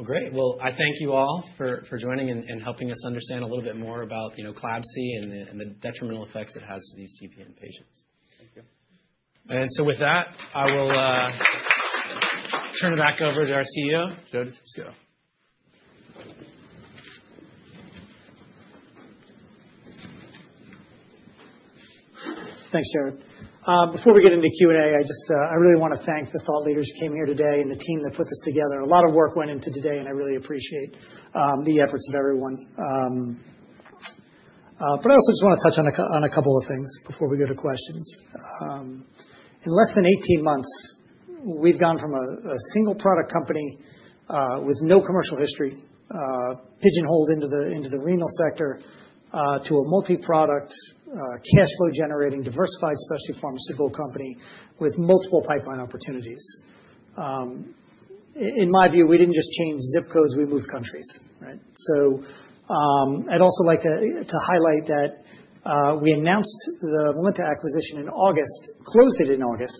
Well, great. Well, I thank you all for joining and helping us understand a little bit more about CLABSI and the detrimental effects it has to these TPN patients. Thank you. With that, I will turn it back over to our CEO, Joe Todisco. Thanks, Jared. Before we get into Q&A, I really want to thank the thought leaders who came here today and the team that put this together. A lot of work went into today. I really appreciate the efforts of everyone. I also just want to touch on a couple of things before we go to questions. In less than 18 months, we've gone from a single product company with no commercial history, pigeonholed into the renal sector, to a multi-product, cash-flow-generating, diversified, specialty pharmaceutical company with multiple pipeline opportunities. In my view, we didn't just change zip codes. We moved countries, right? I'd also like to highlight that we announced the Melinta acquisition in August, closed it in August,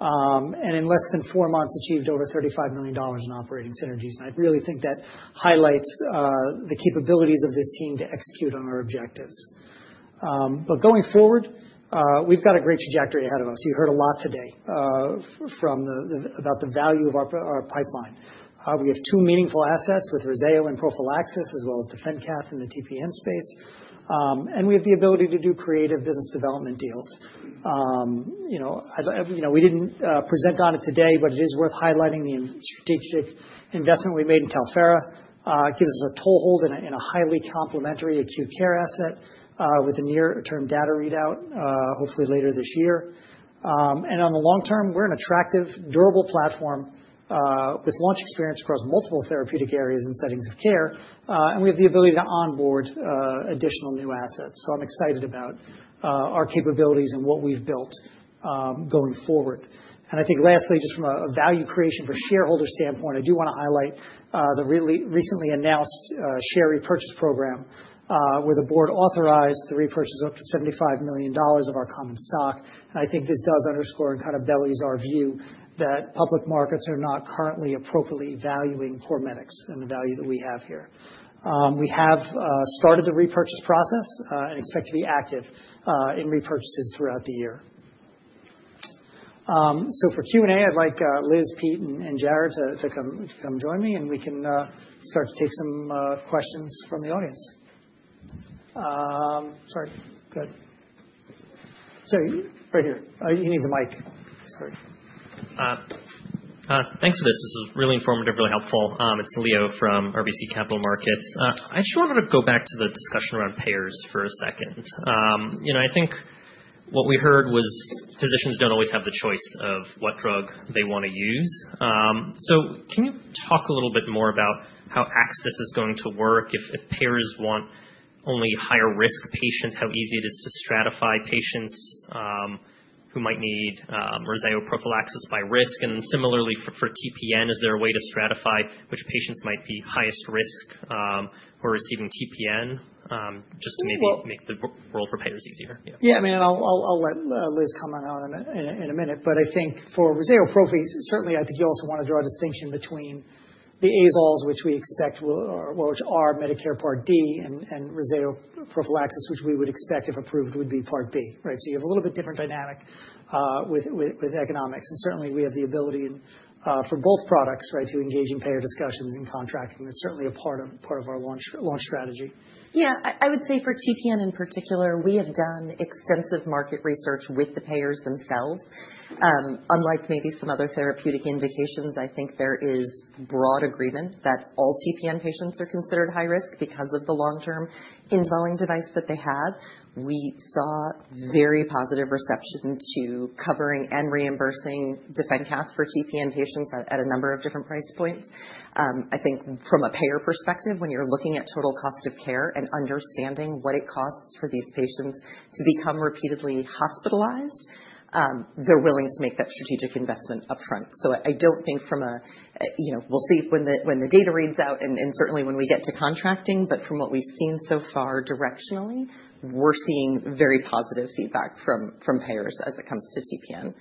and in less than 4 months achieved over $35 million in operating synergies. I really think that highlights the capabilities of this team to execute on our objectives. But going forward, we've got a great trajectory ahead of us. You heard a lot today about the value of our pipeline. We have two meaningful assets with Rezzayo and Prophylaxis as well as DefenCath in the TPN space. We have the ability to do creative business development deals. We didn't present on it today. But it is worth highlighting the strategic investment we made in Talphera. It gives us a toehold in a highly complementary acute care asset with a near-term data readout, hopefully, later this year. On the long term, we're an attractive, durable platform with launch experience across multiple therapeutic areas and settings of care. We have the ability to onboard additional new assets. So I'm excited about our capabilities and what we've built going forward. I think lastly, just from a value creation for shareholder standpoint, I do want to highlight the recently announced share repurchase program where the board authorized the repurchase of up to $75 million of our common stock. I think this does underscore and kind of belies our view that public markets are not currently appropriately valuing CorMedix and the value that we have here. We have started the repurchase process and expect to be active in repurchases throughout the year. For Q&A, I'd like Liz, Pete, and Jared to come join me. And we can start to take some questions from the audience. Sorry. Go ahead. Sorry. Right here. He needs a mic. Sorry. Thanks for this. This is really informative, really helpful. It's Leo from RBC Capital Markets. I just wanted to go back to the discussion around payers for a second. I think what we heard was physicians don't always have the choice of what drug they want to use. So can you talk a little bit more about how ACCESS is going to work if payers want only higher-risk patients, how easy it is to stratify patients who might need Rezzayo Prophylaxis by risk? And then similarly, for TPN, is there a way to stratify which patients might be highest risk who are receiving TPN just to maybe make the world for payers easier? Yeah. I mean, I'll let Liz comment on it in a minute. But I think for Rezzayo Prophy, certainly, I think you also want to draw a distinction between the azoles, which we expect are Medicare Part D, and Rezzayo Prophylaxis, which we would expect if approved would be Part B, right? So you have a little bit different dynamic with economics. And certainly, we have the ability for both products, right, to engage in payer discussions and contracting. That's certainly a part of our launch strategy. Yeah. I would say for TPN in particular, we have done extensive market research with the payers themselves. Unlike maybe some other therapeutic indications, I think there is broad agreement that all TPN patients are considered high risk because of the long-term indwelling device that they have. We saw very positive reception to covering and reimbursing DefenCath for TPN patients at a number of different price points. I think from a payer perspective, when you're looking at total cost of care and understanding what it costs for these patients to become repeatedly hospitalized, they're willing to make that strategic investment upfront. So I don't think from a we'll see when the data reads out and certainly, when we get to contracting. But from what we've seen so far directionally, we're seeing very positive feedback from payers as it comes to TPN.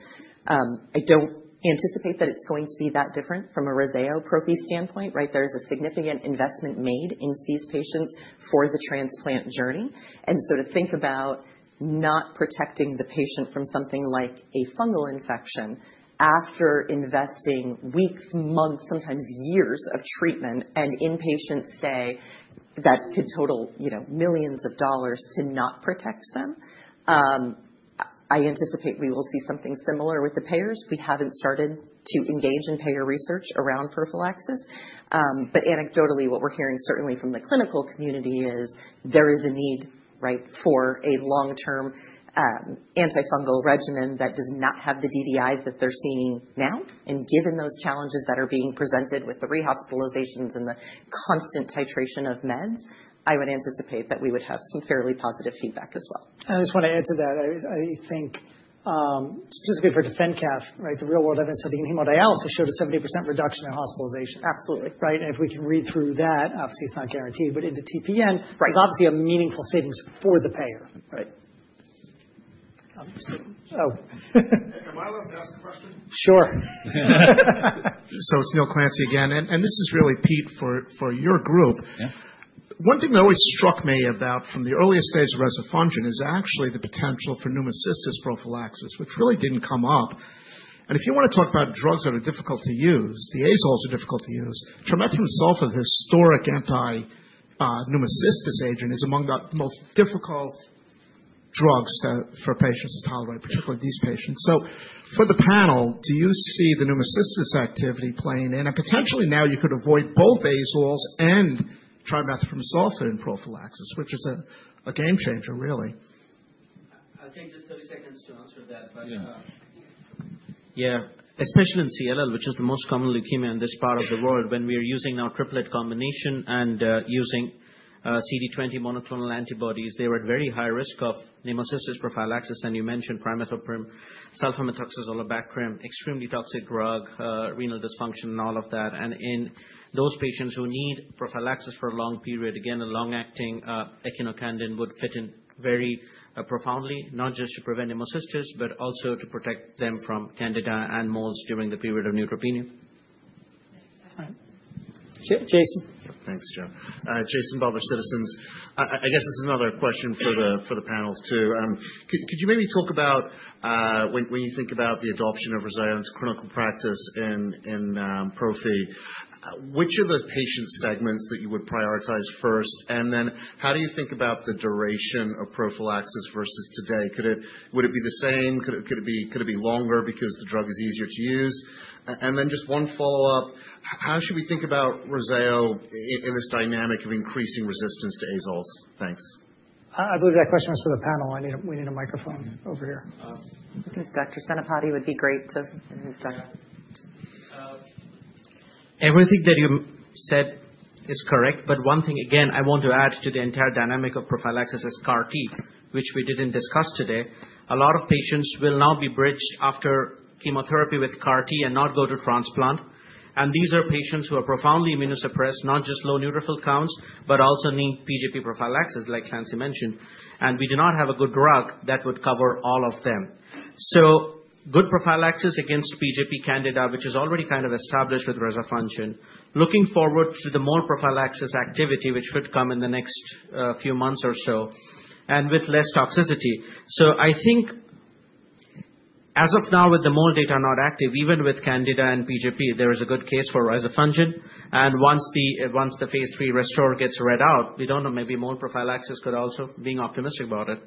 I don't anticipate that it's going to be that different from a Rezzayo prophy standpoint, right? There is a significant investment made into these patients for the transplant journey. And so to think about not protecting the patient from something like a fungal infection after investing weeks, months, sometimes years of treatment and inpatient stay that could total $ millions to not protect them, I anticipate we will see something similar with the payers. We haven't started to engage in payer research around prophylaxis. But anecdotally, what we're hearing certainly from the clinical community is there is a need, right, for a long-term antifungal regimen that does not have the DDIs that they're seeing now. And given those challenges that are being presented with the rehospitalizations and the constant titration of meds, I would anticipate that we would have some fairly positive feedback as well. I just want to add to that. I think specifically for DefenCath, right, the real-world evidence study in hemodialysis showed a 70% reduction in hospitalizations. Absolutely. Right? And if we can read through that, obviously, it's not guaranteed. But into TPN, it's obviously a meaningful savings for the payer, right? Oh. Can my last ask a question? Sure. So it's Neil Clancy again. And this is really, Pete, for your group. One thing that always struck me about from the earliest days of rezafungin is actually the potential for Pneumocystis prophylaxis, which really didn't come up. And if you want to talk about drugs that are difficult to use, the azoles are difficult to use. Trimethoprim-sulfa, the historic anti-Pneumocystis agent, is among the most difficult drugs for patients to tolerate, particularly these patients. So for the panel, do you see the Pneumocystis activity playing in? And potentially, now you could avoid both azoles and trimethoprim-sulfa in prophylaxis, which is a game changer, really. I'll take just 30 seconds to answer that. Yeah. Especially in CLL, which is the most common leukemia in this part of the world, when we are using now triplet combination and using CD20 monoclonal antibodies, they were at very high risk of pneumocystis prophylaxis. And you mentioned trimethoprim, sulfamethoxazole, or Bactrim, extremely toxic drug, renal dysfunction, and all of that. And in those patients who need prophylaxis for a long period, again, a long-acting echinocandin would fit in very profoundly, not just to prevent pneumocystis but also to protect them from candida and molds during the period of neutropenia. All right. Jason. Thanks, Joe. Jason Butler, Citizens. I guess this is another question for the panels too. Could you maybe talk about when you think about the adoption of Rezzayo into clinical practice in prophy, which are the patient segments that you would prioritize first? And then how do you think about the duration of prophylaxis versus today? Would it be the same? Could it be longer because the drug is easier to use? And then just one follow-up, how should we think about Rezzayo in this dynamic of increasing resistance to azoles? Thanks. I believe that question was for the panel. We need a microphone over here. I think Dr. Senapati would be great to. Everything that you said is correct. But one thing, again, I want to add to the entire dynamic of prophylaxis is CAR-T, which we didn't discuss today. A lot of patients will now be bridged after chemotherapy with CAR-T and not go to transplant. And these are patients who are profoundly immunosuppressed, not just low neutrophil counts but also need PJP prophylaxis, like Clancy mentioned. And we do not have a good drug that would cover all of them. So good prophylaxis against PJP candida, which is already kind of established with rezafungin, looking forward to the mold prophylaxis activity, which should come in the next few months or so and with less toxicity. So I think as of now, with the mold data not active, even with candida and PJP, there is a good case for rezafungin. And once the phase III ReSTORE gets read out, we don't know. Maybe mold prophylaxis could also, being optimistic about it.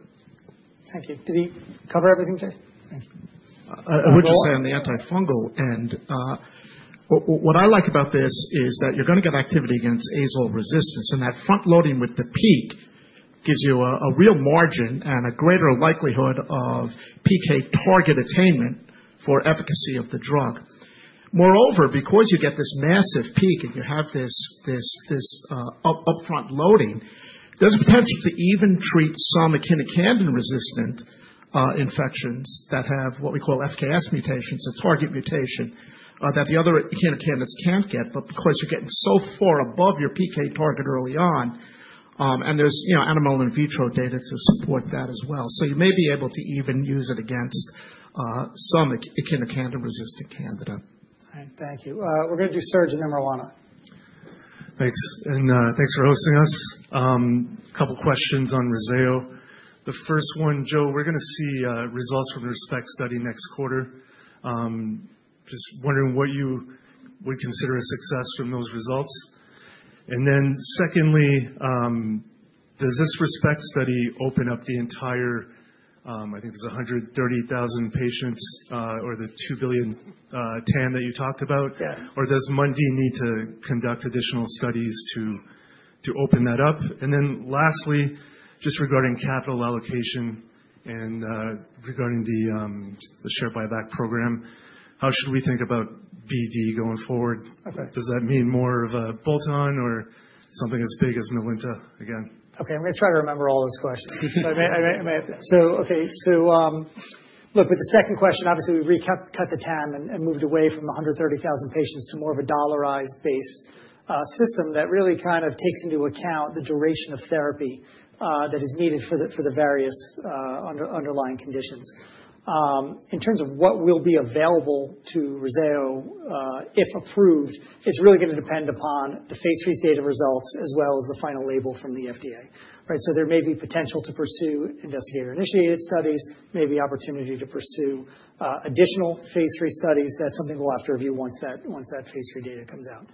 Thank you. Did he cover everything today? I would just say on the antifungal end, what I like about this is that you're going to get activity against azole resistance. That front-loading with the peak gives you a real margin and a greater likelihood of PK target attainment for efficacy of the drug. Moreover, because you get this massive peak and you have this upfront loading, there's a potential to even treat some echinocandin-resistant infections that have what we call FKS mutations, a target mutation that the other echinocandins can't get. But because you're getting so far above your PK target early on, and there's animal in vitro data to support that as well, so you may be able to even use it against some echinocandin-resistant Candida. All right. Thank you. We're going to do Serge and then Roanna. Thanks. Thanks for hosting us. A couple of questions on Rezzayo. The first one, Joe, we're going to see results from the RESPECT study next quarter. Just wondering what you would consider a success from those results. And then secondly, does this RESPECT study open up the entire, I think there's 130,000 patients, or the $2 billion TAM that you talked about. Or does Mundi need to conduct additional studies to open that up? And then lastly, just regarding capital allocation and regarding the share buyback program, how should we think about BD going forward? Does that mean more of a bolt-on or something as big as Melinta again? Okay. I'm going to try to remember all those questions. Okay. Look, with the second question, obviously, we cut the tan and moved away from the 130,000 patients to more of a dollarized-based system that really kind of takes into account the duration of therapy that is needed for the various underlying conditions. In terms of what will be available to Rezzayo if approved, it's really going to depend upon the phase III state of results as well as the final label from the FDA, right? There may be potential to pursue investigator-initiated studies, maybe opportunity to pursue additional phase III studies. That's something we'll have to review once that phase III data comes out.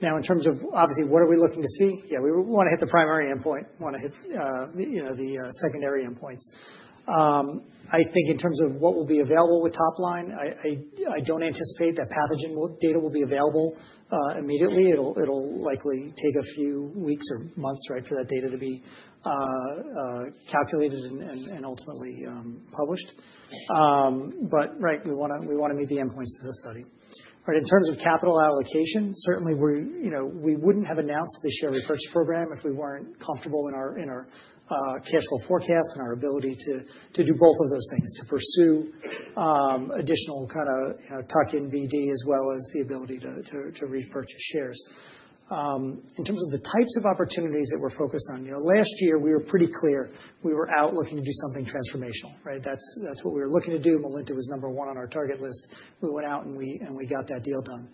Now, in terms of, obviously, what are we looking to see? Yeah. We want to hit the primary endpoint. We want to hit the secondary endpoints. I think in terms of what will be available with Topline, I don't anticipate that pathogen data will be available immediately. It'll likely take a few weeks or months, right, for that data to be calculated and ultimately published. But right, we want to meet the endpoints of the study, right? In terms of capital allocation, certainly, we wouldn't have announced the share repurchase program if we weren't comfortable in our cash flow forecast and our ability to do both of those things, to pursue additional kind of tuck-in BD as well as the ability to repurchase shares. In terms of the types of opportunities that we're focused on, last year, we were pretty clear. We were out looking to do something transformational, right? That's what we were looking to do. Melinta was number one on our target list. We went out, and we got that deal done.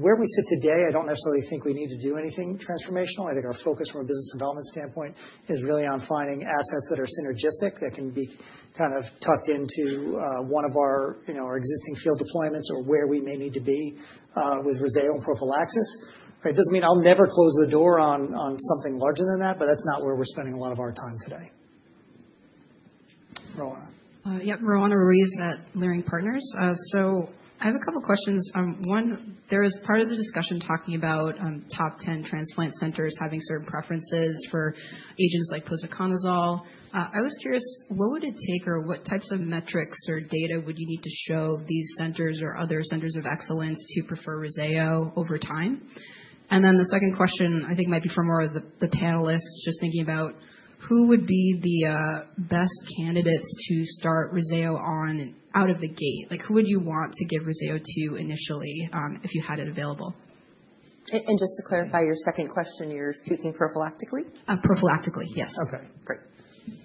Where we sit today, I don't necessarily think we need to do anything transformational. I think our focus from a business development standpoint is really on finding assets that are synergistic that can be kind of tucked into one of our existing field deployments or where we may need to be with Rezzayo and prophylaxis, right? It doesn't mean I'll never close the door on something larger than that. But that's not where we're spending a lot of our time today. Roanna. Yep. Roanna Ruiz at Leerink Partners. So I have a couple of questions. One, there is part of the discussion talking about Top 10 transplant centers having certain preferences for agents like posaconazole. I was curious, what would it take or what types of metrics or data would you need to show these centers or other centers of excellence to prefer Rezzayo over time? And then the second question, I think, might be for more of the panelists, just thinking about who would be the best candidates to start Rezzayo on out of the gate? Who would you want to give Rezzayo to initially if you had it available? Just to clarify your second question, you're speaking prophylactically? Prophylactically, yes. Okay. Great.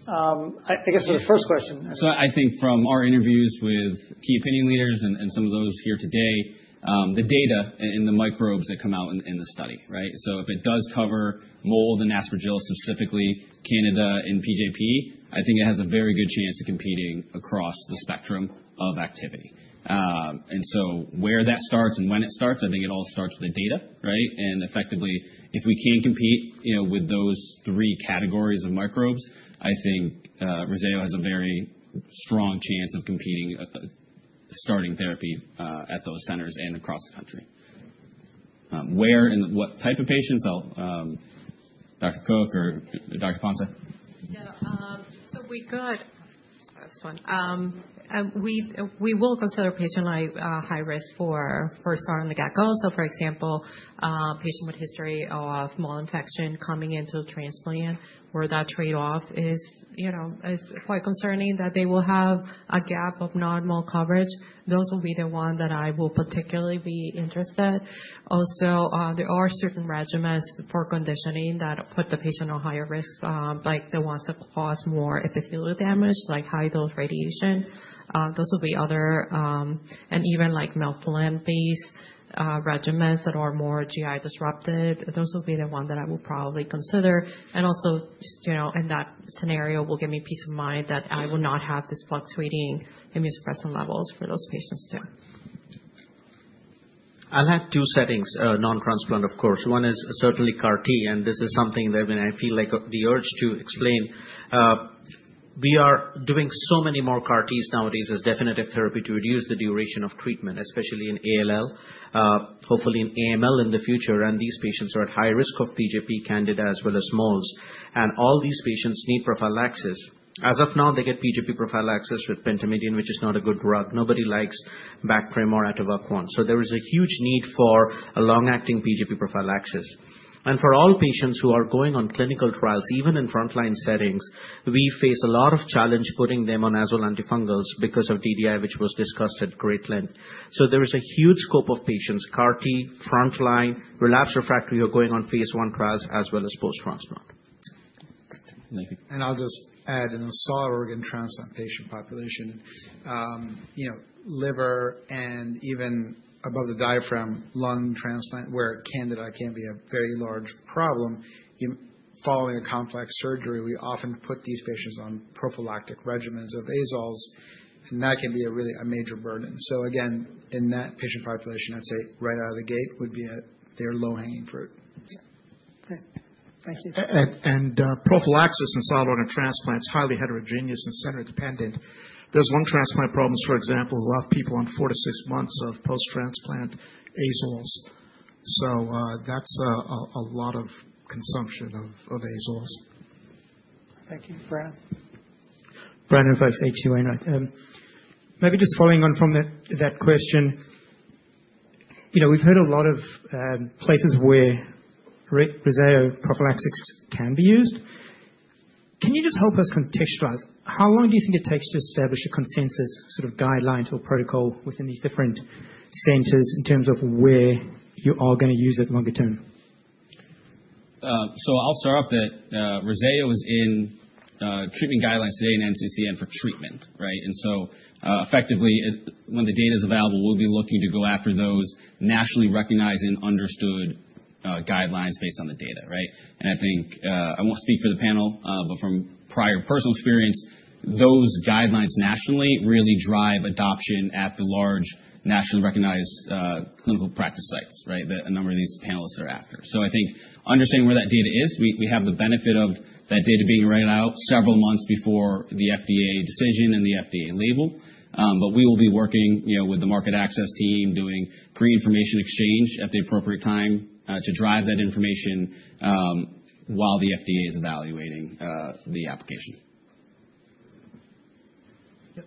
I guess for the first question. So I think from our interviews with key opinion leaders and some of those here today, the data and the microbes that come out in the study, right? So if it does cover mold and Aspergillus specifically, Candida and PJP, I think it has a very good chance of competing across the spectrum of activity. And so where that starts and when it starts, I think it all starts with the data, right? And effectively, if we can compete with those three categories of microbes, I think Rezzayo has a very strong chance of competing starting therapy at those centers and across the country. Where and what type of patients? Dr. Cook or Dr. Ponce? We will consider patient high risk from the get-go. So for example, a patient with history of mold infection coming into transplant where that trade-off is quite concerning, that they will have a gap of non-mold coverage, those will be the ones that I will particularly be interested. Also, there are certain regimens for conditioning that put the patient on higher risk, like the ones that cause more epithelial damage, like high-dose radiation. Those will be other. And even melphalan-based regimens that are more GI disruptive, those will be the ones that I will probably consider. And also in that scenario, it will give me peace of mind that I will not have these fluctuating immunosuppressant levels for those patients too. I'll add two settings, non-transplant, of course. One is certainly CAR-T. And this is something that, I mean, I feel like the urge to explain. We are doing so many more CAR-Ts nowadays as definitive therapy to reduce the duration of treatment, especially in ALL, hopefully in AML in the future. And these patients are at high risk of PJP, Candida, as well as molds. And all these patients need prophylaxis. As of now, they get PJP prophylaxis with pentamidine, which is not a good drug. Nobody likes Bactrim or atovaquone. So there is a huge need for a long-acting PJP prophylaxis. And for all patients who are going on clinical trials, even in frontline settings, we face a lot of challenge putting them on azole antifungals because of DDI, which was discussed at great length. So there is a huge scope of patients, CAR-T, frontline, relapse refractory who are going on phase I trials as well as post-transplant. Thank you. I'll just add, in the solid organ transplant patient population, liver and even above the diaphragm, lung transplant where Candida can be a very large problem, following a complex surgery, we often put these patients on prophylactic regimens of azoles. That can be a major burden. So again, in that patient population, I'd say right out of the gate would be their low-hanging fruit. Okay. Thank you. Prophylaxis in solid organ transplants, highly heterogeneous and center-dependent. There's one transplant program, for example, we'll have people on 4-6 months of post-transplant azoles. So that's a lot of consumption of azoles. Thank you, Brandon. Brandon Folkes. H.C. Wainwright. Maybe just following on from that question, we've heard a lot of places where Rezzayo prophylaxis can be used. Can you just help us contextualize? How long do you think it takes to establish a consensus sort of guideline or protocol within these different centers in terms of where you are going to use it longer term? So I'll start off that Rezzayo is in treatment guidelines today in NCCN for treatment, right? And so effectively, when the data is available, we'll be looking to go after those nationally recognized and understood guidelines based on the data, right? And I think I won't speak for the panel, but from prior personal experience, those guidelines nationally really drive adoption at the large nationally recognized clinical practice sites, right, that a number of these panelists are after. So I think understanding where that data is, we have the benefit of that data being read out several months before the FDA decision and the FDA label. But we will be working with the market access team, doing pre-information exchange at the appropriate time to drive that information while the FDA is evaluating the application. Yep.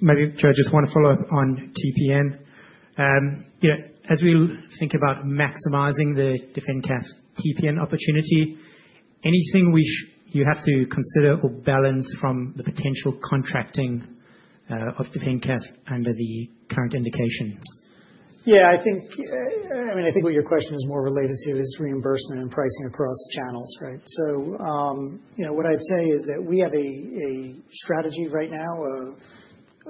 Maybe, Joe, I just want to follow up on TPN. As we think about maximizing the DefendCath TPN opportunity, anything you have to consider or balance from the potential contracting of DefendCath under the current indication? Yeah. I mean, I think what your question is more related to is reimbursement and pricing across channels, right? So what I'd say is that we have a strategy right now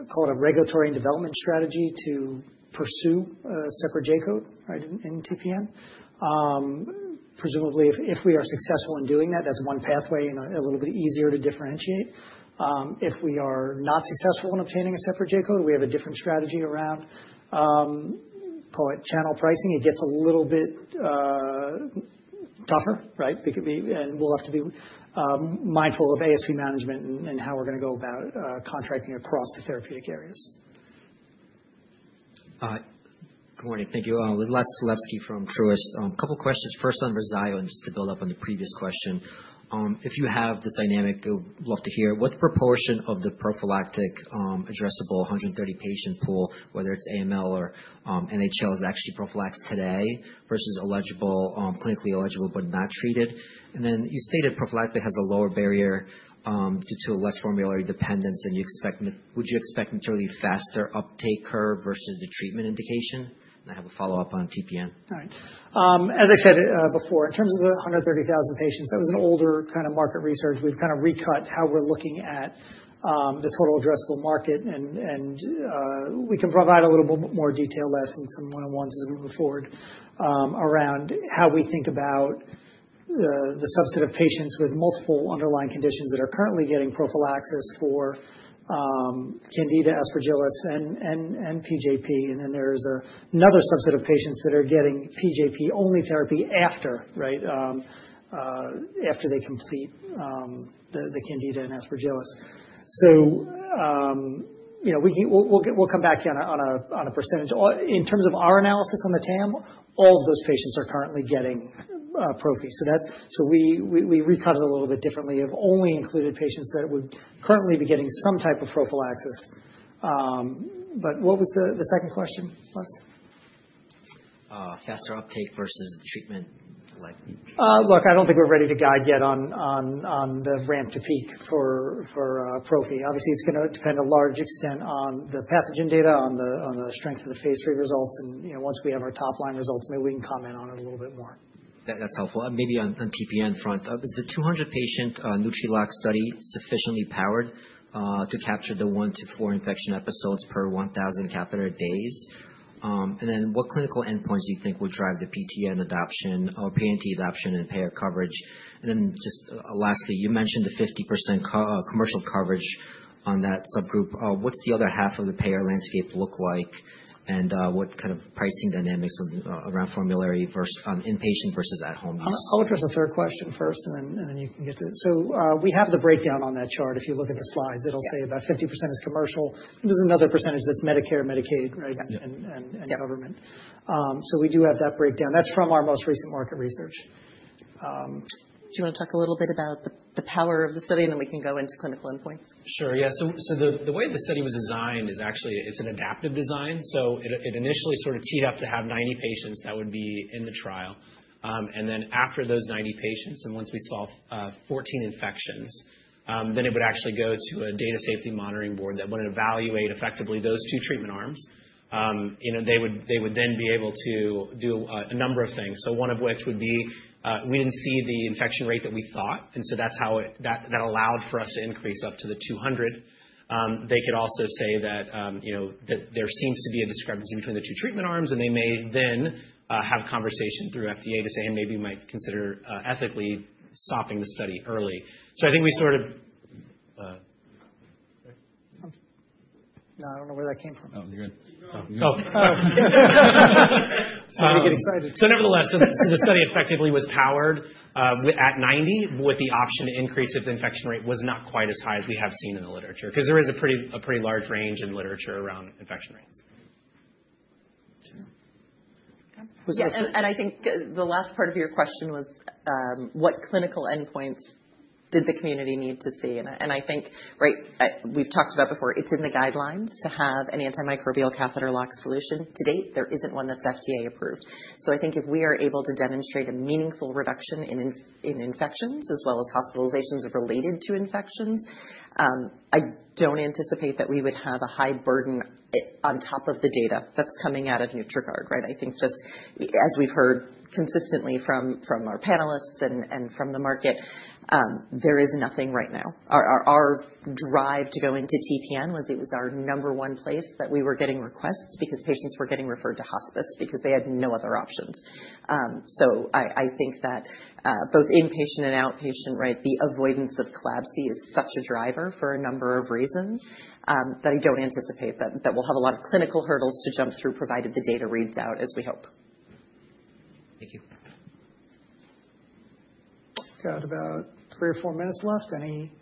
called a regulatory and development strategy to pursue a separate J-code, right, in TPN. Presumably, if we are successful in doing that, that's one pathway and a little bit easier to differentiate. If we are not successful in obtaining a separate J-code, we have a different strategy around, call it channel pricing. It gets a little bit tougher, right? And we'll have to be mindful of ASP management and how we're going to go about contracting across the therapeutic areas. Good morning. Thank you. Les Sulewski from Truist. A couple of questions. First on Rezzayo and just to build up on the previous question. If you have this dynamic, we'd love to hear, what proportion of the prophylactic addressable 130-patient pool, whether it's AML or NHL, is actually prophylaxed today versus clinically eligible but not treated? And then you stated prophylactic has a lower barrier due to less formulary dependence. And would you expect a materially faster uptake curve versus the treatment indication? And I have a follow-up on TPN. All right. As I said before, in terms of the 130,000 patients, that was an older kind of market research. We've kind of recut how we're looking at the total addressable market. And we can provide a little bit more detail less in some one-on-ones as we move forward around how we think about the subset of patients with multiple underlying conditions that are currently getting prophylaxis for Candida, Aspergillus, and PJP. And then there's another subset of patients that are getting PJP-only therapy after, right, after they complete the Candida and Aspergillus. So we'll come back to you on a percentage. In terms of our analysis on the TPN, all of those patients are currently getting prophy. So we recut it a little bit differently. We've only included patients that would currently be getting some type of prophylaxis. But what was the second question, Liz? Faster uptake versus treatment? Look, I don't think we're ready to guide yet on the ramp to peak for Profi. Obviously, it's going to depend a large extent on the pathogen data, on the strength of the phase III results. Once we have our topline results, maybe we can comment on it a little bit more. That's helpful. Maybe on TPN front, is the 200-patient Nutriguard study sufficiently powered to capture the 1-4 infection episodes per 1,000 catheter days? And then what clinical endpoints do you think would drive the TPN adoption or TPN adoption and payer coverage? And then just lastly, you mentioned the 50% commercial coverage on that subgroup. What's the other half of the payer landscape look like? And what kind of pricing dynamics around formulary versus inpatient versus at-home use? I'll address the third question first, and then you can get to it. So we have the breakdown on that chart. If you look at the slides, it'll say about 50% is commercial. There's another percentage that's Medicare, Medicaid, right, and government. So we do have that breakdown. That's from our most recent market research. Do you want to talk a little bit about the power of the study, and then we can go into clinical endpoints? Sure. Yeah. So the way the study was designed is actually it's an adaptive design. So it initially sort of teed up to have 90 patients that would be in the trial. And then after those 90 patients and once we saw 14 infections, then it would actually go to a data safety monitoring board that would evaluate effectively those two treatment arms. They would then be able to do a number of things. So one of which would be we didn't see the infection rate that we thought. And so that's how that allowed for us to increase up to the 200. They could also say that there seems to be a discrepancy between the two treatment arms. And they may then have a conversation through FDA to say, "Hey, maybe we might consider ethically stopping the study early." So I think we sort of. Sorry? No. I don't know where that came from. Oh, you're good. Oh, sorry. I'm going to get excited. So nevertheless, so the study effectively was powered at 90 with the option to increase if the infection rate was not quite as high as we have seen in the literature because there is a pretty large range in literature around infection rates. Yeah. And I think the last part of your question was what clinical endpoints did the community need to see? And I think, right, we've talked about before, it's in the guidelines to have an antimicrobial catheter-lock solution. To date, there isn't one that's FDA-approved. So I think if we are able to demonstrate a meaningful reduction in infections as well as hospitalizations related to infections, I don't anticipate that we would have a high burden on top of the data that's coming out of Nutriguard, right? I think just as we've heard consistently from our panelists and from the market, there is nothing right now. Our drive to go into TPN was it was our number one place that we were getting requests because patients were getting referred to hospice because they had no other options. So I think that both inpatient and outpatient, right, the avoidance of CLABSI is such a driver for a number of reasons that I don't anticipate that we'll have a lot of clinical hurdles to jump through provided the data reads out, as we hope. Thank you. Got about three or four minutes left. Any.